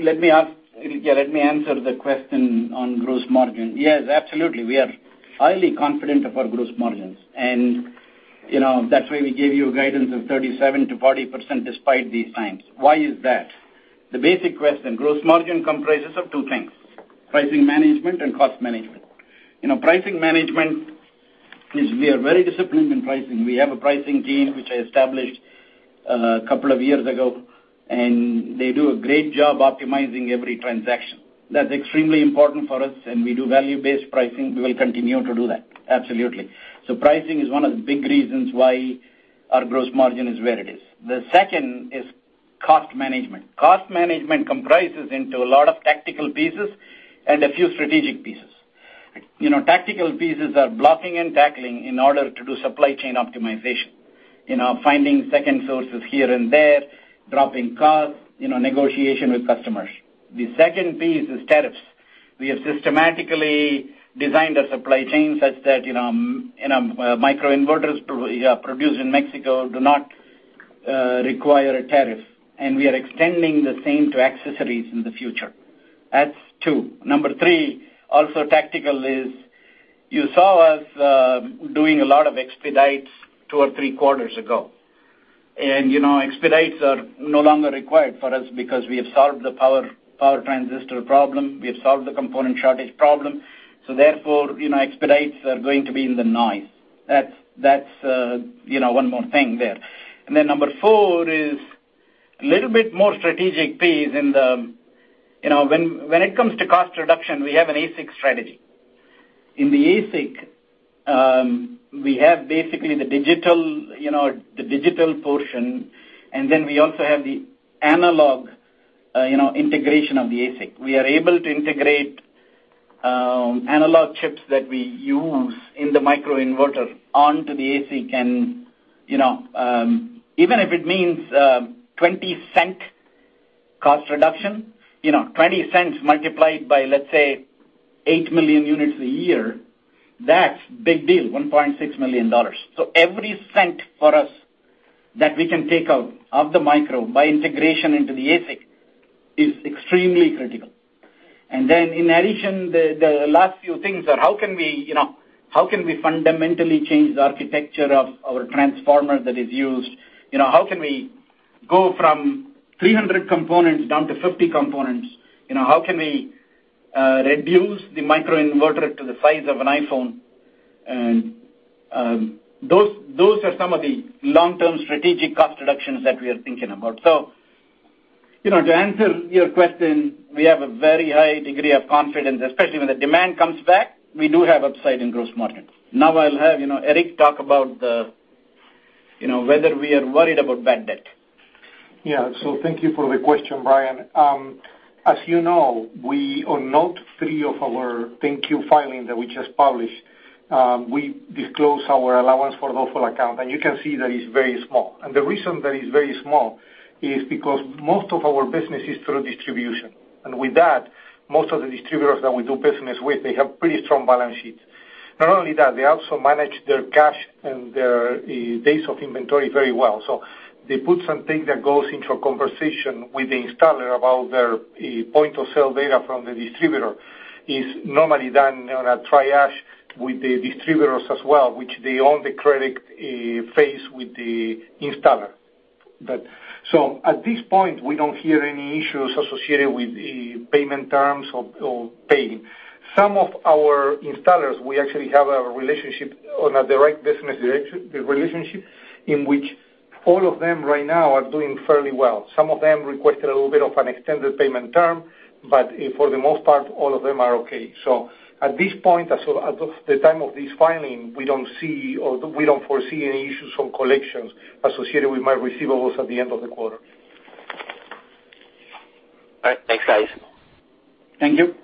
Let me answer the question on gross margin. Yes, absolutely. We are highly confident of our gross margins, and that's why we gave you a guidance of 37%-40% despite these times. Why is that? The basic question, gross margin comprises of two things, pricing management and cost management. Pricing management is, we are very disciplined in pricing. We have a pricing team, which I established a couple of years ago, and they do a great job optimizing every transaction. That's extremely important for us, and we do value-based pricing. We will continue to do that, absolutely. Pricing is one of the big reasons why our gross margin is where it is. The second is cost management. Cost management comprises into a lot of tactical pieces and a few strategic pieces. Tactical pieces are blocking and tackling in order to do supply chain optimization. Finding second sources here and there, dropping costs, negotiation with customers. The second piece is tariffs. We have systematically designed our supply chain such that microinverters produced in Mexico do not require a tariff, and we are extending the same to accessories in the future. That's two. Number 3, also tactical, is you saw us doing a lot of expedites two or three quarters ago. Expedites are no longer required for us because we have solved the power transistor problem. We have solved the component shortage problem. Therefore, expedites are going to be in the noise. That's one more thing there. Number 4 is a little bit more strategic piece. When it comes to cost reduction, we have an ASIC strategy. In the ASIC, we have basically the digital portion, and then we also have the analog integration of the ASIC. We are able to integrate analog chips that we use in the microinverter onto the ASIC, and even if it means $0.20 cost reduction, $0.20 multiplied by, let's say, 8 million units a year, that's big deal, $1.6 million. Every cent for us that we can take out of the micro by integration into the ASIC is extremely critical. In addition, the last few things are how can we fundamentally change the architecture of our transformer that is used? How can we go from 300 components down to 50 components? How can we reduce the microinverter to the size of an iPhone? Those are some of the long-term strategic cost reductions that we are thinking about. To answer your question, we have a very high degree of confidence, especially when the demand comes back, we do have upside in gross margin. Now I'll have Eric talk about whether we are worried about bad debt. Yeah. Thank you for the question, Brian. As you know, on note three of our 10-Q filing that we just published, we disclose our allowance for doubtful account, and you can see that it's very small. The reason that it's very small is because most of our business is through distribution. With that, most of the distributors that we do business with, they have pretty strong balance sheets. Not only that, they also manage their cash and their days of inventory very well. They put something that goes into a conversation with the installer about their point of sale data from the distributor, is normally done on a triage with the distributors as well, which they own the credit phase with the installer. At this point, we don't hear any issues associated with payment terms or paying. Some of our installers, we actually have a relationship on a direct business relationship in which all of them right now are doing fairly well. Some of them requested a little bit of an extended payment term, but for the most part, all of them are okay. At this point, as of the time of this filing, we don't foresee any issues from collections associated with my receivables at the end of the quarter. All right. Thanks, guys. Thank you.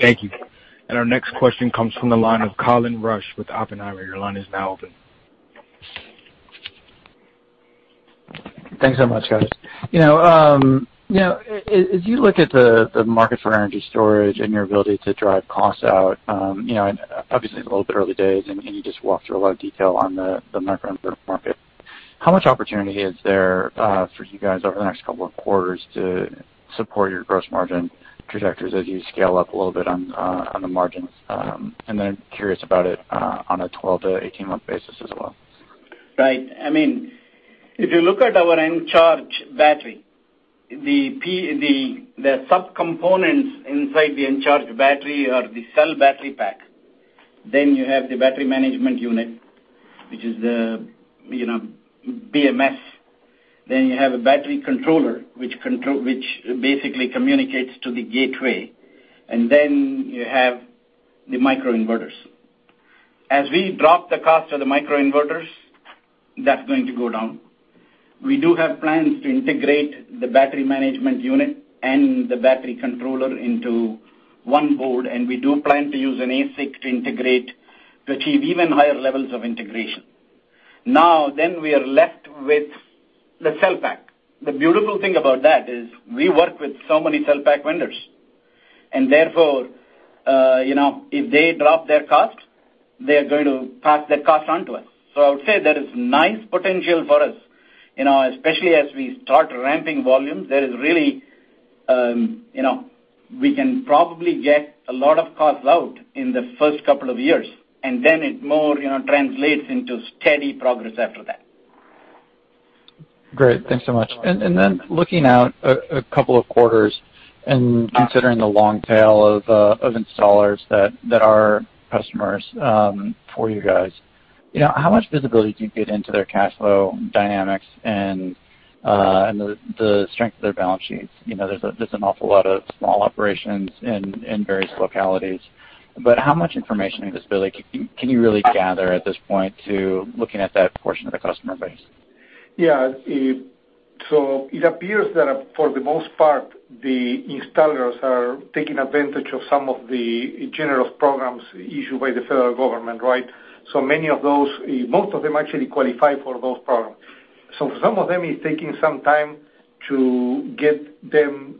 Thank you. Our next question comes from the line of Colin Rusch with Oppenheimer. Your line is now open. Thanks so much, guys. As you look at the market for energy storage and your ability to drive costs out, and obviously it's a little bit early days, and you just walked through a lot of detail on the microinverter market. How much opportunity is there for you guys over the next couple of quarters to support your gross margin trajectories as you scale up a little bit on the margins? Curious about it, on a 12-18-month basis as well. Right. If you look at our Encharge battery, the subcomponents inside the Encharge battery are the cell battery pack. You have the battery management unit, which is the BMS. You have a battery controller, which basically communicates to the gateway. You have the microinverters. As we drop the cost of the microinverters, that's going to go down. We do have plans to integrate the battery management unit and the battery controller into one board, and we do plan to use an ASIC to achieve even higher levels of integration. We are left with the cell pack. The beautiful thing about that is we work with so many cell pack vendors. If they drop their cost, they're going to pass that cost on to us. I would say there is nice potential for us, especially as we start ramping volumes. We can probably get a lot of costs out in the first couple of years, and then it more translates into steady progress after that. Great. Thanks so much. Looking out a couple of quarters and considering the long tail of installers that are customers for you guys, how much visibility do you get into their cash flow dynamics and the strength of their balance sheets? There's an awful lot of small operations in various localities, how much information and visibility can you really gather at this point to looking at that portion of the customer base? It appears that for the most part, the installers are taking advantage of some of the generous programs issued by the federal government, right? Most of them actually qualify for those programs. Some of them, it's taking some time to get them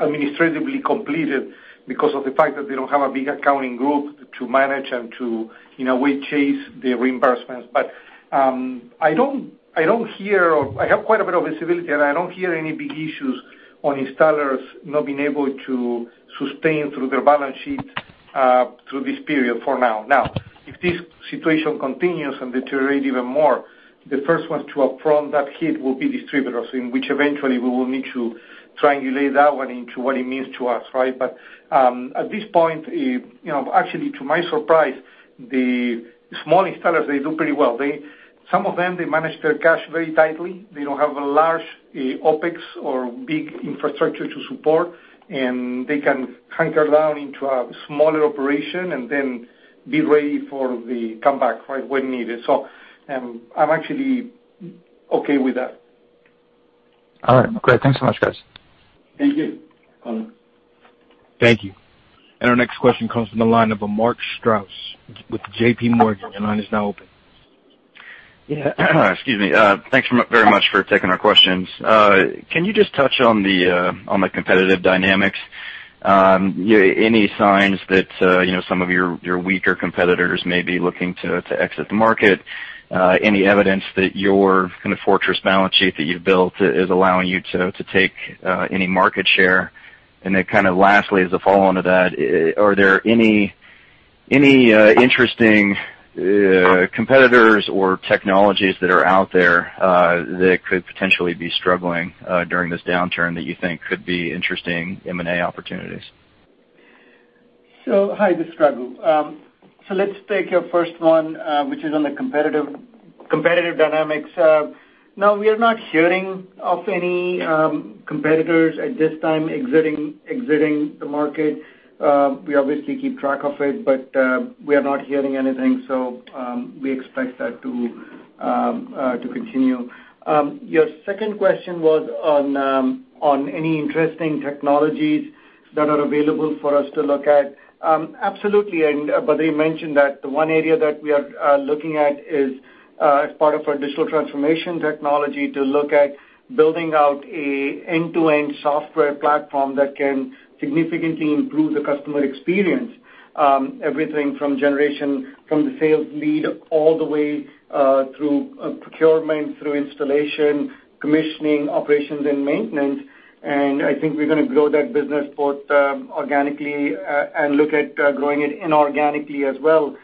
administratively completed because of the fact that they don't have a big accounting group to manage and to chase the reimbursements. I have quite a bit of visibility, and I don't hear any big issues on installers not being able to sustain through their balance sheet through this period for now. If this situation continues and deteriorates even more, the first ones to absorb that hit will be distributors, in which eventually we will need to triangulate that one into what it means to us, right? At this point, actually to my surprise, the small installers, they do pretty well. Some of them, they manage their cash very tightly. They don't have a large OpEx or big infrastructure to support, they can hunker down into a smaller operation and then be ready for the comeback when needed. I'm actually okay with that. All right. Great. Thanks so much, guys. Thank you, Colin. Thank you. Thank you. Our next question comes from the line of Mark Strouse with JPMorgan. Your line is now open. Excuse me. Thanks very much for taking our questions. Can you just touch on the competitive dynamics? Any signs that some of your weaker competitors may be looking to exit the market? Any evidence that your fortress balance sheet that you've built is allowing you to take any market share? Lastly, as a follow-on to that, are there any interesting competitors or technologies that are out there that could potentially be struggling during this downturn that you think could be interesting M&A opportunities? Hi, this is Raghu. Let's take your first one, which is on the competitive dynamics. No, we are not hearing of any competitors at this time exiting the market. We obviously keep track of it, but we are not hearing anything, so we expect that to continue. Your second question was on any interesting technologies that are available for us to look at. Absolutely, Badri mentioned that the one area that we are looking at is as part of our digital transformation technology to look at building out an end-to-end software platform that can significantly improve the customer experience. Everything from generation, from the sales lead, all the way through procurement, through installation, commissioning, operations, and maintenance. I think we're going to grow that business both organically and look at growing it inorganically as well.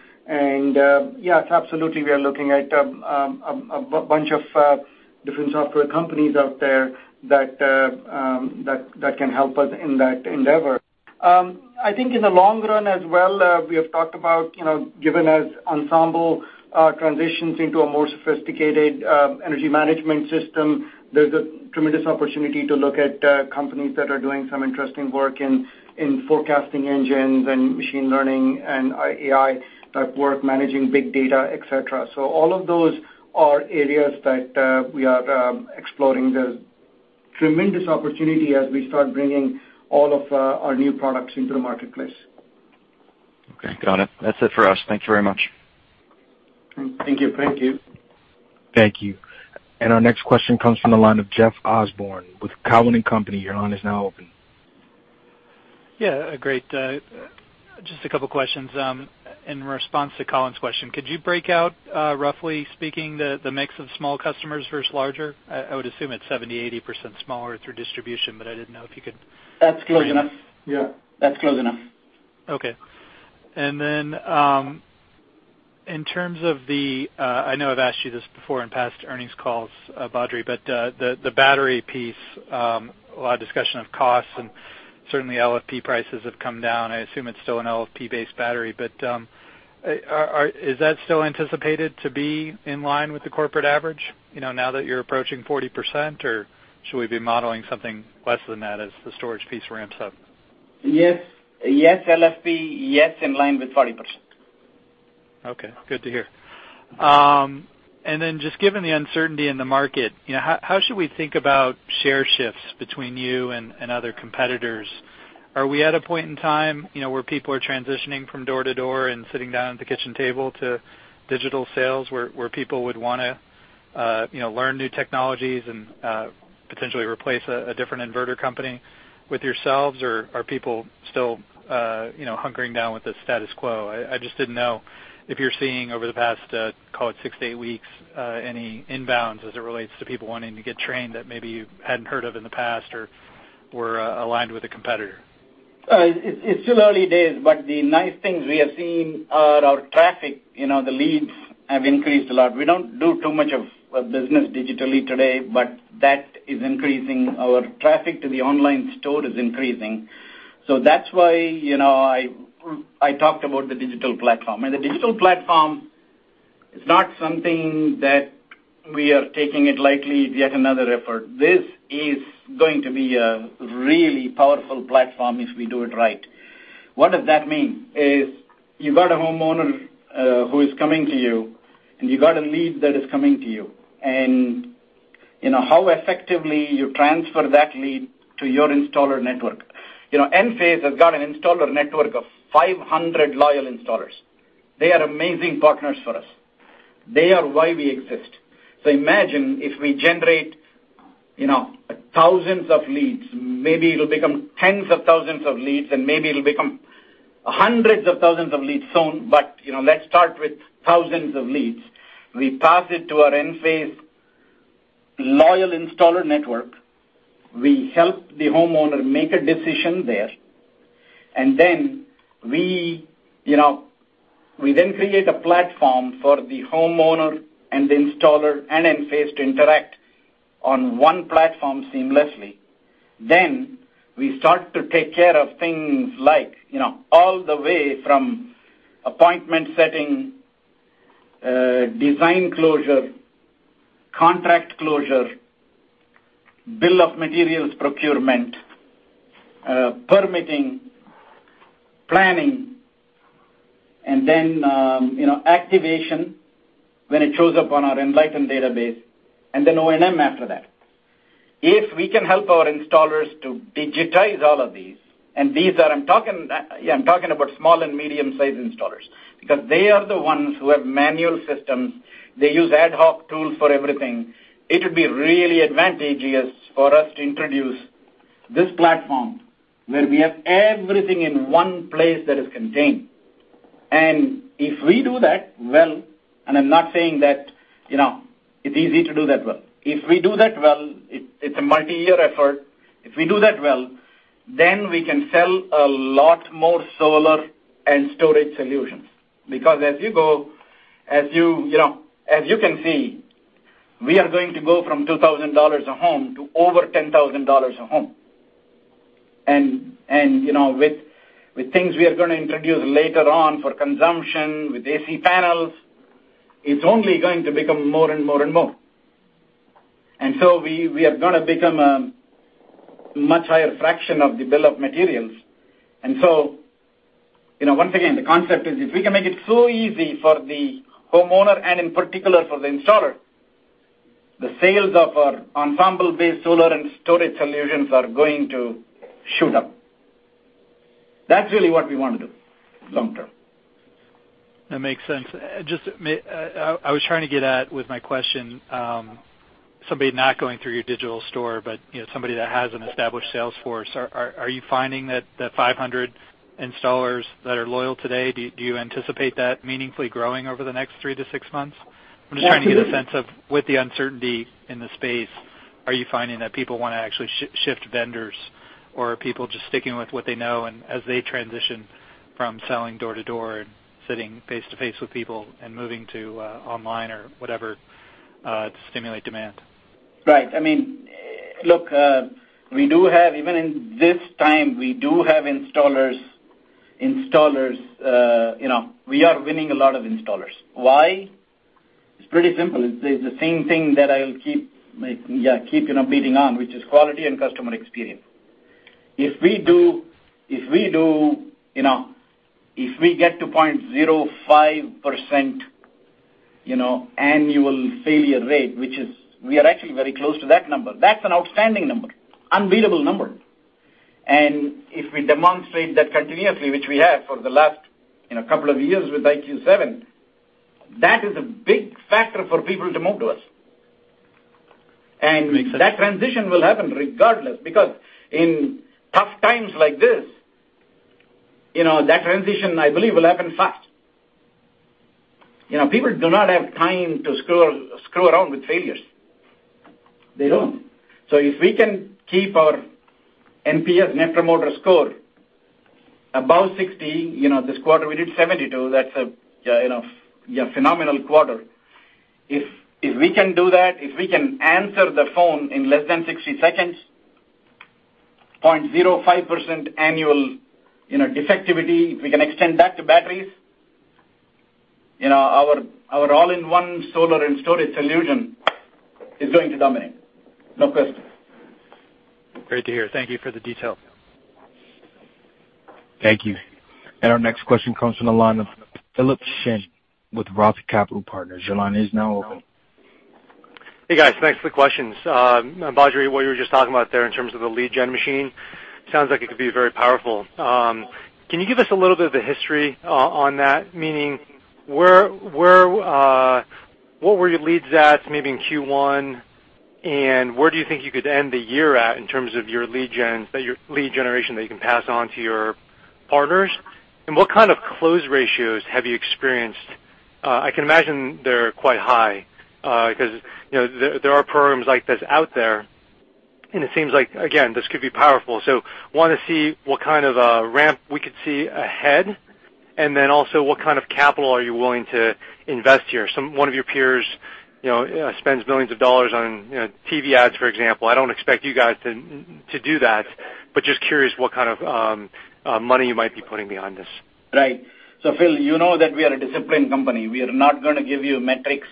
Yes, absolutely, we are looking at a bunch of different software companies out there that can help us in that endeavor. I think in the long run as well, we have talked about, given as Ensemble transitions into a more sophisticated energy management system, there's a tremendous opportunity to look at companies that are doing some interesting work in forecasting engines and machine learning and AI type work, managing big data, et cetera. All of those are areas that we are exploring. There's tremendous opportunity as we start bringing all of our new products into the marketplace. Okay. Got it. That's it for us. Thank you very much. Thank you. Thank you. Thank you. Our next question comes from the line of Jeff Osborne with Cowen & Company. Your line is now open. Yeah. Great. Just a couple of questions. In response to Colin's question, could you break out, roughly speaking, the mix of small customers versus larger? I would assume it's 70%-80% smaller through distribution, but I didn't know if you could- That's close enough. Yeah. That's close enough. Okay. In terms of the I know I've asked you this before in past earnings calls, Badri, but the battery piece, a lot of discussion of costs and certainly LFP prices have come down. I assume it's still an LFP-based battery, but is that still anticipated to be in line with the corporate average, now that you're approaching 40%, or should we be modeling something less than that as the storage piece ramps up? Yes. LFP, yes, in line with 40%. Okay, good to hear. Then just given the uncertainty in the market, how should we think about share shifts between you and other competitors? Are we at a point in time, where people are transitioning from door to door and sitting down at the kitchen table to digital sales where people would want to learn new technologies and, potentially replace a different inverter company with yourselves, or are people still hunkering down with the status quo? I just didn't know if you're seeing over the past, call it 6-8 weeks, any inbounds as it relates to people wanting to get trained that maybe you hadn't heard of in the past or were aligned with a competitor. It's still early days, the nice things we are seeing are our traffic. The leads have increased a lot. We don't do too much of business digitally today, but that is increasing. Our traffic to the online store is increasing. That's why I talked about the digital platform. The digital platform is not something that we are taking it lightly, yet another effort. This is going to be a really powerful platform if we do it right. What does that mean? Is you've got a homeowner who is coming to you, and you got a lead that is coming to you, and how effectively you transfer that lead to your installer network. Enphase has got an installer network of 500 loyal installers. They are amazing partners for us. They are why we exist. Imagine if we generate thousands of leads. Maybe it'll become tens of thousands of leads, and maybe it'll become hundreds of thousands of leads soon. Let's start with thousands of leads. We pass it to our Enphase loyal installer network. We help the homeowner make a decision there. We then create a platform for the homeowner and the installer and Enphase to interact on one platform seamlessly. We start to take care of things like all the way from appointment setting, design closure, contract closure, bill of materials procurement, permitting, planning, and then activation when it shows up on our Enlighten database, and then O&M after that. If we can help our installers to digitize all of these, and I'm talking about small and medium-sized installers, because they are the ones who have manual systems. They use ad hoc tools for everything. It would be really advantageous for us to introduce this platform where we have everything in one place that is contained. If we do that well, and I'm not saying that it's easy to do that well. If we do that well, it's a multi-year effort. If we do that well, then we can sell a lot more solar and storage solutions. Because as you can see, we are going to go from $2,000 a home to over $10,000 a home. With things we are going to introduce later on for consumption, with AC panels, it's only going to become more and more. We are going to become a much higher fraction of the bill of materials. Once again, the concept is if we can make it so easy for the homeowner and in particular for the installer, the sales of our Ensemble-based solar and storage solutions are going to shoot up. That's really what we want to do long term. That makes sense. I was trying to get at with my question, somebody not going through your digital store, but somebody that has an established sales force. Are you finding that the 500 installers that are loyal today, do you anticipate that meaningfully growing over the next three to six months? Yes. I'm just trying to get a sense of with the uncertainty in the space, are you finding that people want to actually shift vendors, or are people just sticking with what they know and as they transition from selling door to door and sitting face-to-face with people and moving to online or whatever, to stimulate demand? Right. Look, even in this time, we do have installers. We are winning a lot of installers. Why? It's pretty simple. It's the same thing that I will keep beating on, which is quality and customer experience. If we get to 0.05% annual failure rate, which is we are actually very close to that number. That's an outstanding number. Unbeatable number. And if we demonstrate that continuously, which we have for the last couple of years with IQ 7, that is a big factor for people to move to us. And- Makes sense. that transition will happen regardless, because in tough times like this, that transition, I believe, will happen fast. People do not have time to screw around with failures. They don't. If we can keep our NPS, Net Promoter Score, above 60. This quarter, we did 72. That's a phenomenal quarter. If we can do that, if we can answer the phone in less than 60 seconds, 0.05% annual defectivity, if we can extend that to batteries, our all-in-one solar and storage solution is going to dominate. No question. Great to hear. Thank you for the details. Thank you. Our next question comes from the line of Philip Shen with Roth Capital Partners. Your line is now open. Hey, guys. Thanks for the questions. Badri, what you were just talking about there in terms of the lead gen machine, sounds like it could be very powerful. Can you give us a little bit of the history on that? Meaning, what were your leads at maybe in Q1, and where do you think you could end the year at in terms of your lead generation that you can pass on to your partners? What kind of close ratios have you experienced? I can imagine they're quite high, because there are programs like this out there, and it seems like, again, this could be powerful. Want to see what kind of a ramp we could see ahead, and then also what kind of capital are you willing to invest here? One of your peers spends millions of dollars on TV ads, for example. I don't expect you guys to do that, but just curious what kind of money you might be putting behind this. Right. Phil, you know that we are a disciplined company. We are not going to give you metrics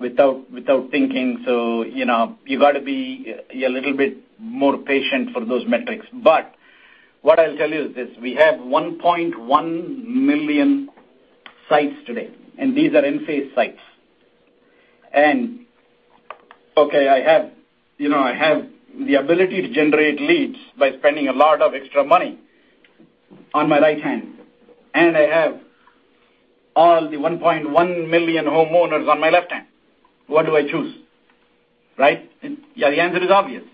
without thinking. You got to be a little bit more patient for those metrics. What I'll tell you is this, we have 1.1 million sites today, and these are Enphase sites. Okay, I have the ability to generate leads by spending a lot of extra money on my right hand. I have all the 1.1 million homeowners on my left hand. What do I choose? Right? Yeah, the answer is obvious.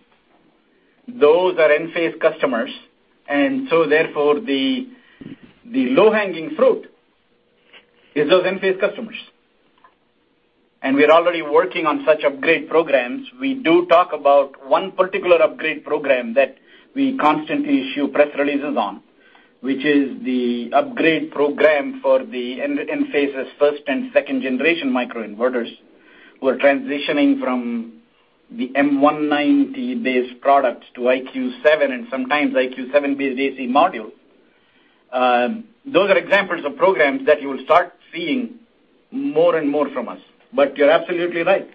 Those are Enphase customers. The low-hanging fruit is those Enphase customers. We're already working on such upgrade programs. We do talk about one particular upgrade program that we constantly issue press releases on, which is the upgrade program for the Enphase's first and second generation microinverters, who are transitioning from the M190-based product to IQ7 and sometimes IQ7-based AC module. Those are examples of programs that you will start seeing more and more from us. You're absolutely right.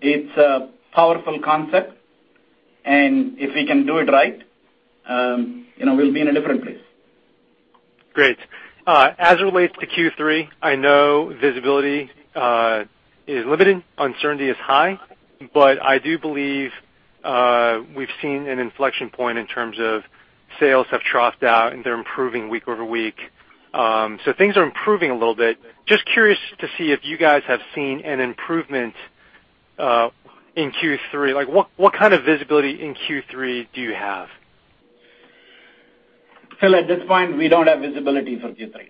It's a powerful concept. If we can do it right, we'll be in a different place. Great. As it relates to Q3, I know visibility is limited, uncertainty is high, but I do believe we've seen an inflection point in terms of sales have troughed out, and they're improving week-over-week. Things are improving a little bit. Just curious to see if you guys have seen an improvement in Q3. What kind of visibility in Q3 do you have? Phil, at this point, we don't have visibility for Q3.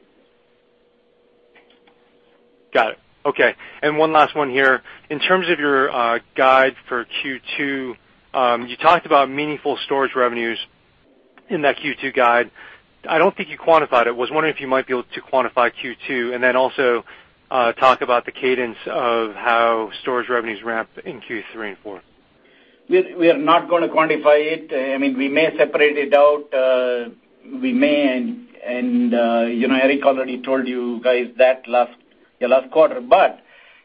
Got it. Okay. One last one here. In terms of your guide for Q2, you talked about meaningful storage revenues in that Q2 guide. I don't think you quantified it. Was wondering if you might be able to quantify Q2, and then also talk about the cadence of how storage revenues ramp in Q3 and Q4. We are not going to quantify it. We may separate it out. Eric already told you guys that the last quarter.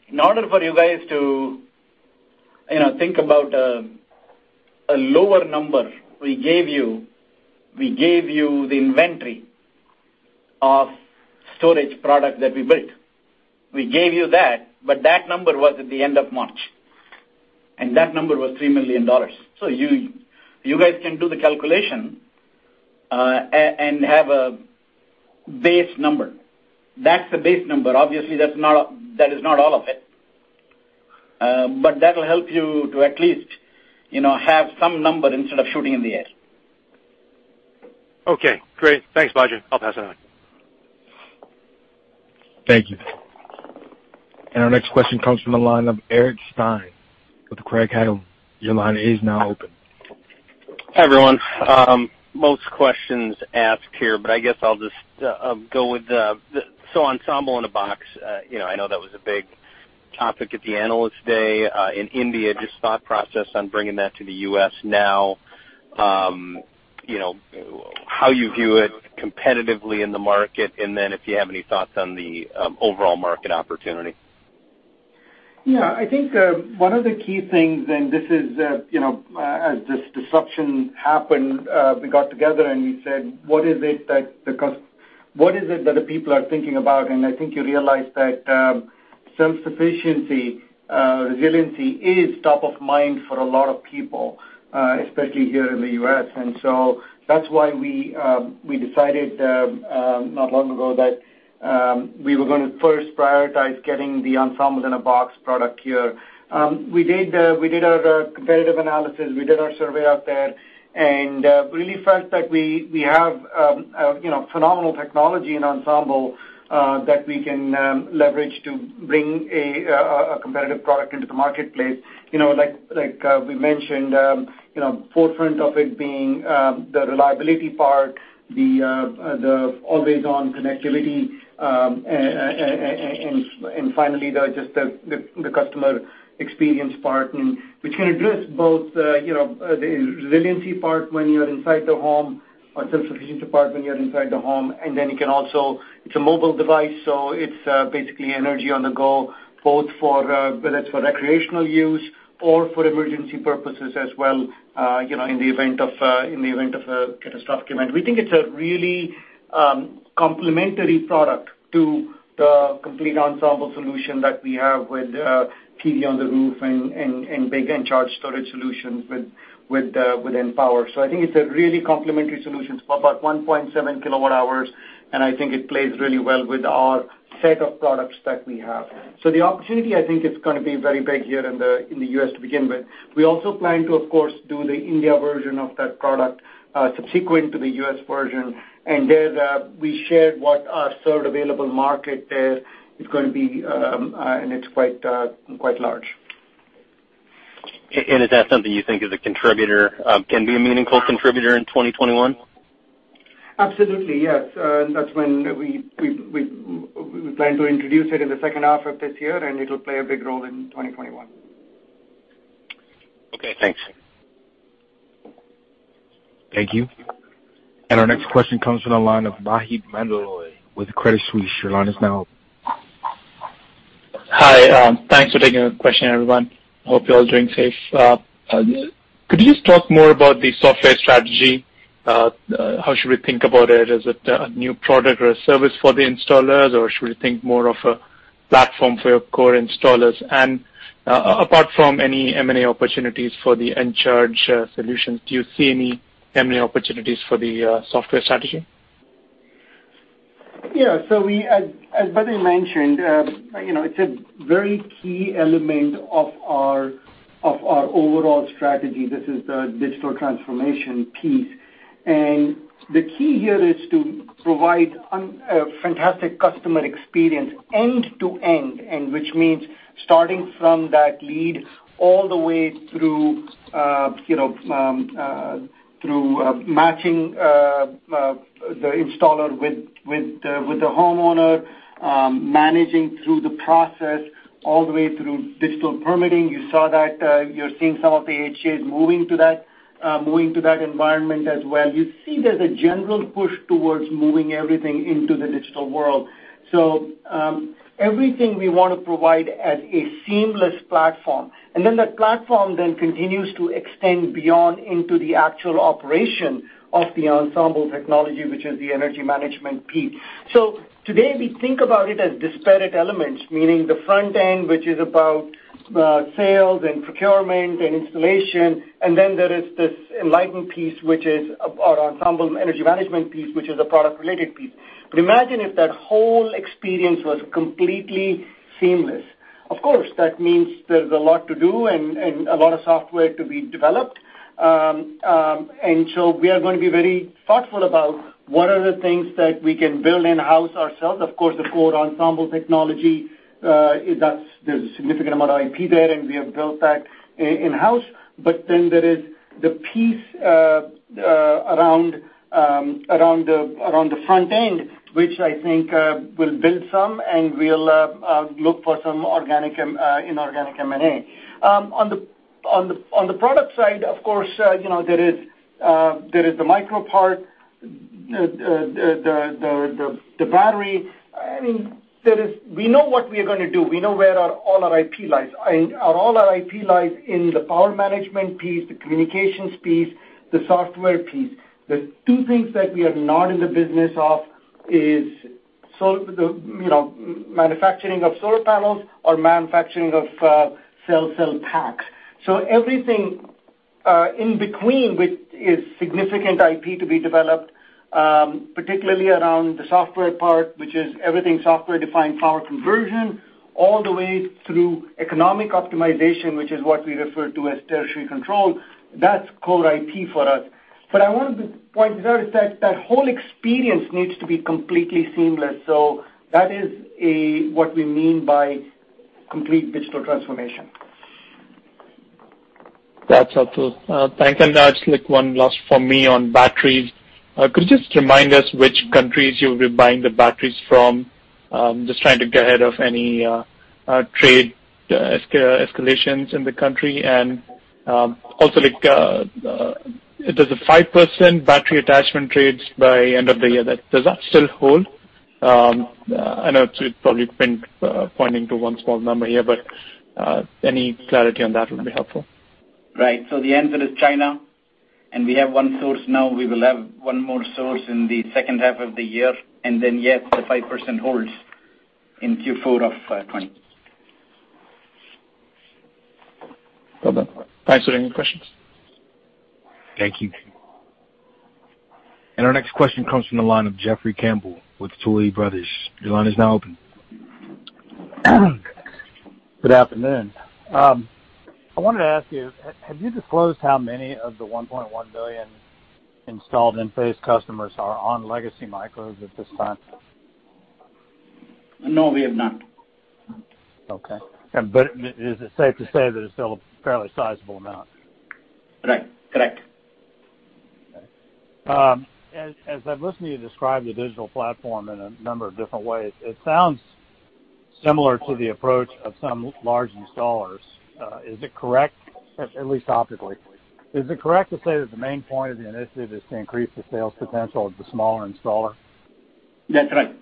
In order for you guys to think about a lower number, we gave you the inventory of storage product that we built. We gave you that number was at the end of March, that number was $3 million. You guys can do the calculation, have a base number. That's the base number. Obviously, that is not all of it. That'll help you to at least have some number instead of shooting in the air. Okay, great. Thanks, Badri. I'll pass it on. Thank you. Our next question comes from the line of Eric Stine with Craig-Hallum. Your line is now open. Hi, everyone. Most questions asked here, but I guess I'll just go with Ensemble in a Box. I know that was a big topic at the Analyst Day in India. Just thought process on bringing that to the U.S. now. How you view it competitively in the market, and then if you have any thoughts on the overall market opportunity. Yeah. I think, one of the key things, this is, as this disruption happened, we got together, we said, "What is it that the people are thinking about?" I think you realize that self-sufficiency, resiliency is top of mind for a lot of people, especially here in the U.S. That's why we decided, not long ago that. We were going to first prioritize getting the Ensemble in a Box product here. We did our competitive analysis, we did our survey out there, and really felt that we have phenomenal technology in Ensemble that we can leverage to bring a competitive product into the marketplace. Like we mentioned, forefront of it being the reliability part, the always-on connectivity, and finally, just the customer experience part, which can address both the resiliency part when you're inside the home or self-sufficiency part when you're inside the home. Then it's a mobile device, so it's basically energy on the go, both for recreational use or for emergency purposes as well in the event of a catastrophic event. We think it's a really complementary product to the complete Ensemble solution that we have with PV on the roof and big Encharge storage solutions with Enpower. I think it's a really complementary solution. It's about 1.7 kilowatt hours, and I think it plays really well with our set of products that we have. The opportunity, I think, is going to be very big here in the U.S. to begin with. We also plan to, of course, do the India version of that product subsequent to the U.S. version. There, we shared what our served available market there is going to be, and it's quite large. Is that something you think can be a meaningful contributor in 2021? Absolutely, yes. We plan to introduce it in the second half of this year, and it'll play a big role in 2021. Okay, thanks. Thank you. Our next question comes from the line of Maheep Mandloi with Credit Suisse. Your line is now open. Hi. Thanks for taking the question, everyone. Hope you're all doing safe. Could you just talk more about the software strategy? How should we think about it? Is it a new product or a service for the installers, or should we think more of a platform for your core installers? Apart from any M&A opportunities for the Encharge solutions, do you see any M&A opportunities for the software strategy? Yeah. As Badri mentioned, it's a very key element of our overall strategy. This is the digital transformation piece. The key here is to provide a fantastic customer experience end to end, which means starting from that lead all the way through matching the installer with the homeowner, managing through the process, all the way through digital permitting. You're seeing some of the AHJs moving to that environment as well. You see there's a general push towards moving everything into the digital world. Everything we want to provide as a seamless platform. That platform then continues to extend beyond into the actual operation of the Ensemble technology, which is the energy management piece. Today, we think about it as disparate elements, meaning the front end, which is about sales and procurement and installation, and then there is this Enlighten piece, which is our Ensemble energy management piece, which is a product-related piece. Imagine if that whole experience was completely seamless. Of course, that means there's a lot to do and a lot of software to be developed. We are going to be very thoughtful about what are the things that we can build in-house ourselves. Of course, the core Ensemble technology, there's a significant amount of IP there, and we have built that in-house. Then there is the piece around the front end, which I think we'll build some, and we'll look for some inorganic M&A. On the product side, of course, there is the micro part, the battery. We know what we are going to do. We know where all our IP lies, and all our IP lies in the power management piece, the communications piece, the software piece. The two things that we are not in the business of is manufacturing of solar panels or manufacturing of cell packs. Everything in between, which is significant IP to be developed, particularly around the software part, which is everything software-defined power conversion, all the way through economic optimization, which is what we refer to as tertiary control. That's core IP for us. I wanted to point it out is that that whole experience needs to be completely seamless. That is what we mean by complete digital transformation. That's helpful. Thanks. Just one last from me on batteries. Could you just remind us which countries you'll be buying the batteries from? Just trying to get ahead of any trade escalations in the country. Also, there's a 5% battery attachment trades by end of the year. Does that still hold? I know it's probably pinpointing to one small number here, any clarity on that would be helpful. Right. The answer is China, and we have one source now. We will have one more source in the second half of the year. Yes, the 5% holds in Q4 of 20- Well done. Thanks for taking the questions. Thank you. Our next question comes from the line of Jeffrey Campbell with Tuohy Brothers. Your line is now open. Good afternoon. I wanted to ask you, have you disclosed how many of the 1.1 billion installed Enphase customers are on legacy micros at this time? No, we have not. Okay. Is it safe to say that it's still a fairly sizable amount? Correct. Okay. As I listen to you describe the digital platform in a number of different ways, it sounds similar to the approach of some large installers. Is it correct, at least optically? Is it correct to say that the main point of the initiative is to increase the sales potential of the smaller installer? Yeah, correct.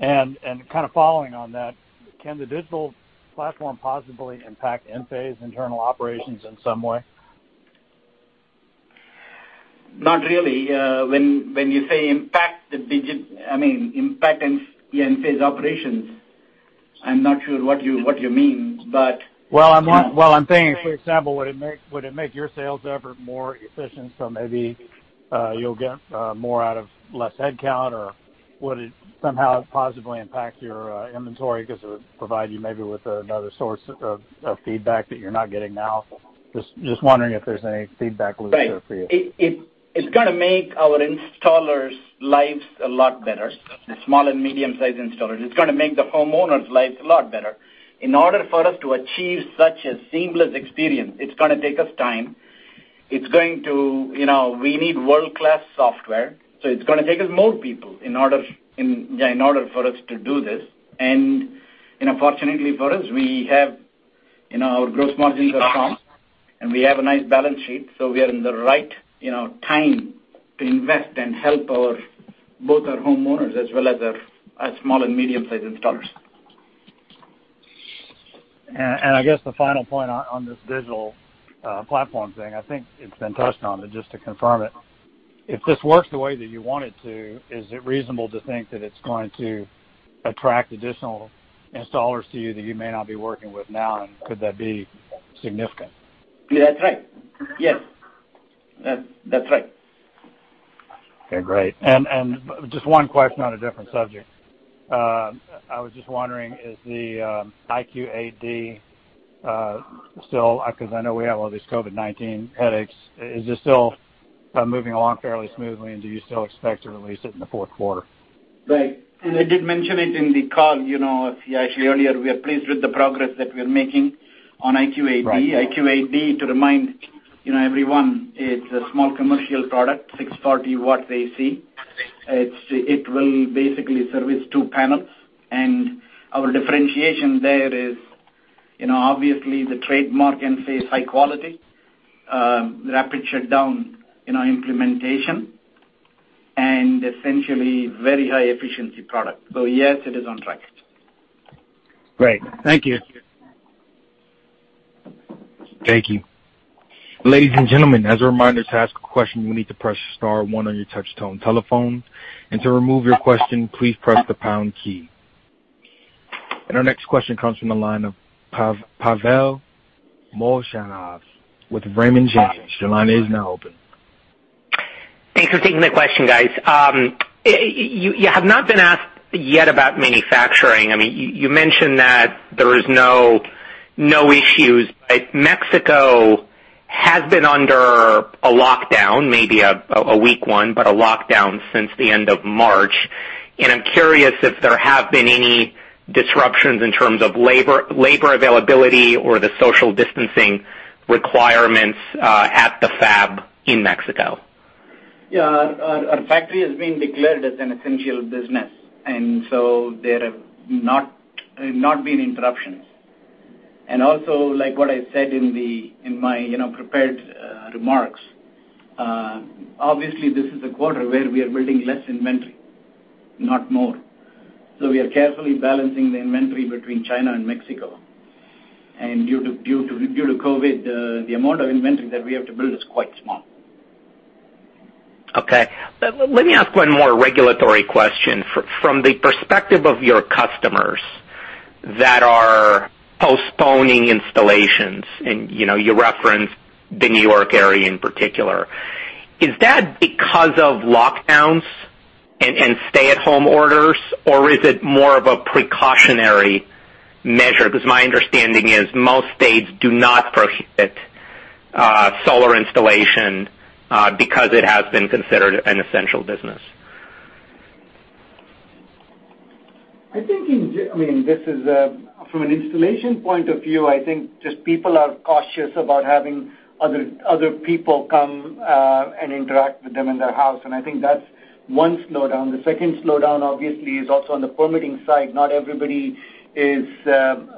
Kind of following on that, can the digital platform possibly impact Enphase internal operations in some way? Not really. When you say impact Enphase operations, I'm not sure what you mean. Well, I'm thinking, for example, would it make your sales effort more efficient, so maybe you'll get more out of less headcount? Would it somehow positively impact your inventory because it would provide you maybe with another source of feedback that you're not getting now? Just wondering if there's any feedback loop there for you. Right. It's gonna make our installers' lives a lot better, the small and medium-sized installers. It's gonna make the homeowners' lives a lot better. In order for us to achieve such a seamless experience, it's gonna take us time. We need world-class software. It's gonna take us more people in order for us to do this. Fortunately for us, our gross margins are strong, and we have a nice balance sheet, so we are in the right time to invest and help both our homeowners as well as our small and medium-sized installers. I guess the final point on this digital platform thing, I think it's been touched on, but just to confirm it. If this works the way that you want it to, is it reasonable to think that it's going to attract additional installers to you that you may not be working with now, and could that be significant? That's right. Yes. That's right. Okay, great. Just one question on a different subject. Because I know we have all these COVID-19 headaches. Is this still moving along fairly smoothly, and do you still expect to release it in the fourth quarter? Right. I did mention it in the call, actually earlier. We are pleased with the progress that we're making on IQ8D. Right. IQ8D, to remind everyone, it's a small commercial product, 640 watt AC. It will basically service two panels. Our differentiation there is obviously the trademark Enphase high quality, rapid shutdown implementation, and essentially very high efficiency product. Yes, it is on track. Great. Thank you. Thank you. Ladies and gentlemen, as a reminder, to ask a question, you will need to press star one on your touchtone telephone. To remove your question, please press the pound key. Our next question comes from the line of Pavel Molchanov with Raymond James. Your line is now open. Thanks for taking the question, guys. You have not been asked yet about manufacturing. You mentioned that there is no issues. Mexico has been under a lockdown, maybe a weak one, but a lockdown since the end of March. I'm curious if there have been any disruptions in terms of labor availability or the social distancing requirements, at the fab in Mexico? Yeah. Our factory has been declared as an essential business. There have not been interruptions. Also, like what I said in my prepared remarks, obviously this is a quarter where we are building less inventory, not more. We are carefully balancing the inventory between China and Mexico. Due to COVID, the amount of inventory that we have to build is quite small. Okay. Let me ask one more regulatory question. From the perspective of your customers that are postponing installations, you referenced the N.Y. area in particular. Is that because of lockdowns and stay-at-home orders, or is it more of a precautionary measure? My understanding is most states do not prohibit solar installation, because it has been considered an essential business. From an installation point of view, I think just people are cautious about having other people come, and interact with them in their house, and I think that's one slowdown. The second slowdown, obviously, is also on the permitting side. Not everybody is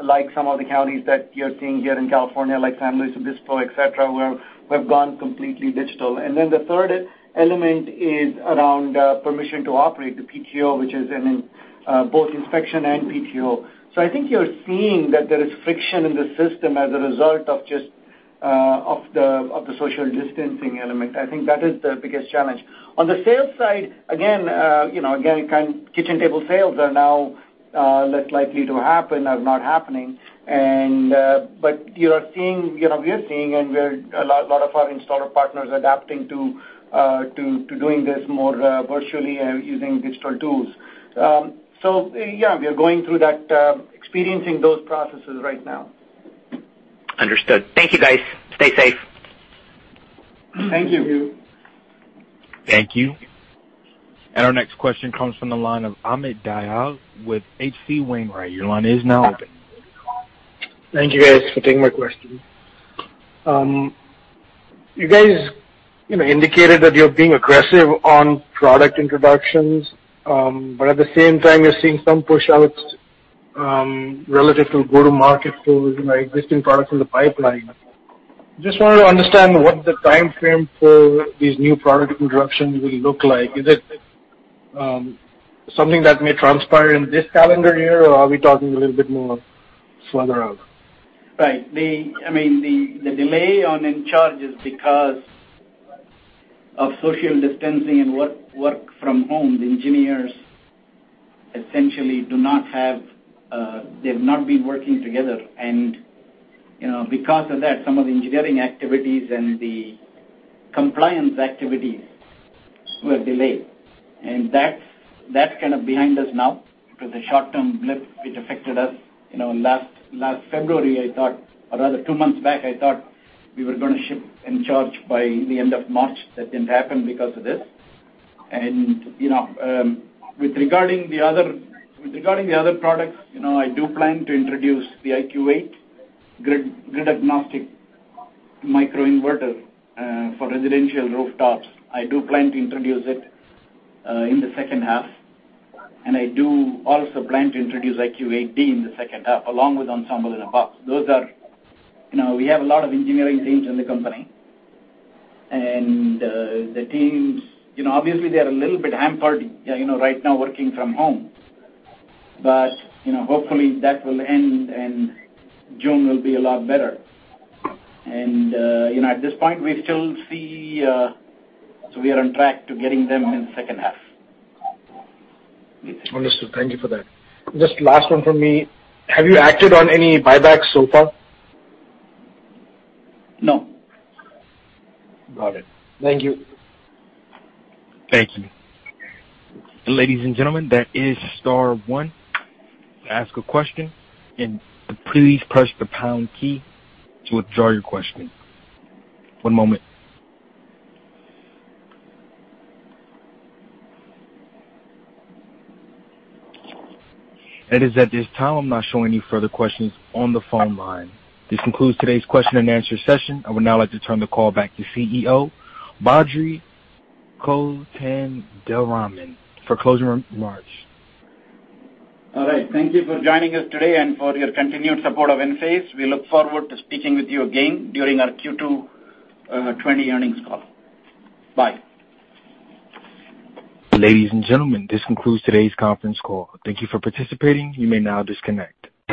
like some of the counties that you're seeing here in California, like San Luis Obispo, et cetera, where we've gone completely digital. The third element is around permission to operate, the PTO. Both inspection and PTO. I think you're seeing that there is friction in the system as a result of just Of the social distancing element. I think that is the biggest challenge. On the sales side, again, kitchen table sales are now less likely to happen or are not happening. We're seeing, and a lot of our installer partners, adapting to doing this more virtually and using digital tools. Yeah, we are going through that, experiencing those processes right now. Understood. Thank you, guys. Stay safe. Thank you. Thank you. Our next question comes from the line of Amit Dayal with H.C. Wainwright. Your line is now open. Thank you guys for taking my question. You guys indicated that you're being aggressive on product introductions. At the same time, you're seeing some push outs relative to go-to-market tools and existing products in the pipeline. Just wanted to understand what the timeframe for these new product introductions will look like. Is it something that may transpire in this calendar year, or are we talking a little bit more further out? Right. The delay on Encharge is because of social distancing and work from home. The engineers essentially have not been working together. Because of that, some of the engineering activities and the compliance activities were delayed. That's kind of behind us now, because the short-term blip, it affected us. Last February, I thought, or rather two months back, I thought we were going to ship Encharge by the end of March. That didn't happen because of this. Regarding the other products, I do plan to introduce the IQ8 grid-agnostic microinverter for residential rooftops. I do plan to introduce it in the second half, and I do also plan to introduce IQ8D in the second half, along with Ensemble in a Box. We have a lot of engineering teams in the company, and the teams, obviously, they're a little bit hampered right now working from home. Hopefully, that will end, and June will be a lot better. At this point, we are on track to getting them in the second half. Understood. Thank you for that. Just last one from me. Have you acted on any buybacks so far? No. Got it. Thank you. Thank you. Ladies and gentlemen, that is star one to ask a question, and please press the pound key to withdraw your question. One moment. It is at this time, I'm not showing any further questions on the phone line. This concludes today's question and answer session. I would now like to turn the call back to CEO, Badri Kothandaraman, for closing remarks. All right. Thank you for joining us today and for your continued support of Enphase. We look forward to speaking with you again during our Q2 2020 earnings call. Bye. Ladies and gentlemen, this concludes today's conference call. Thank you for participating. You may now disconnect.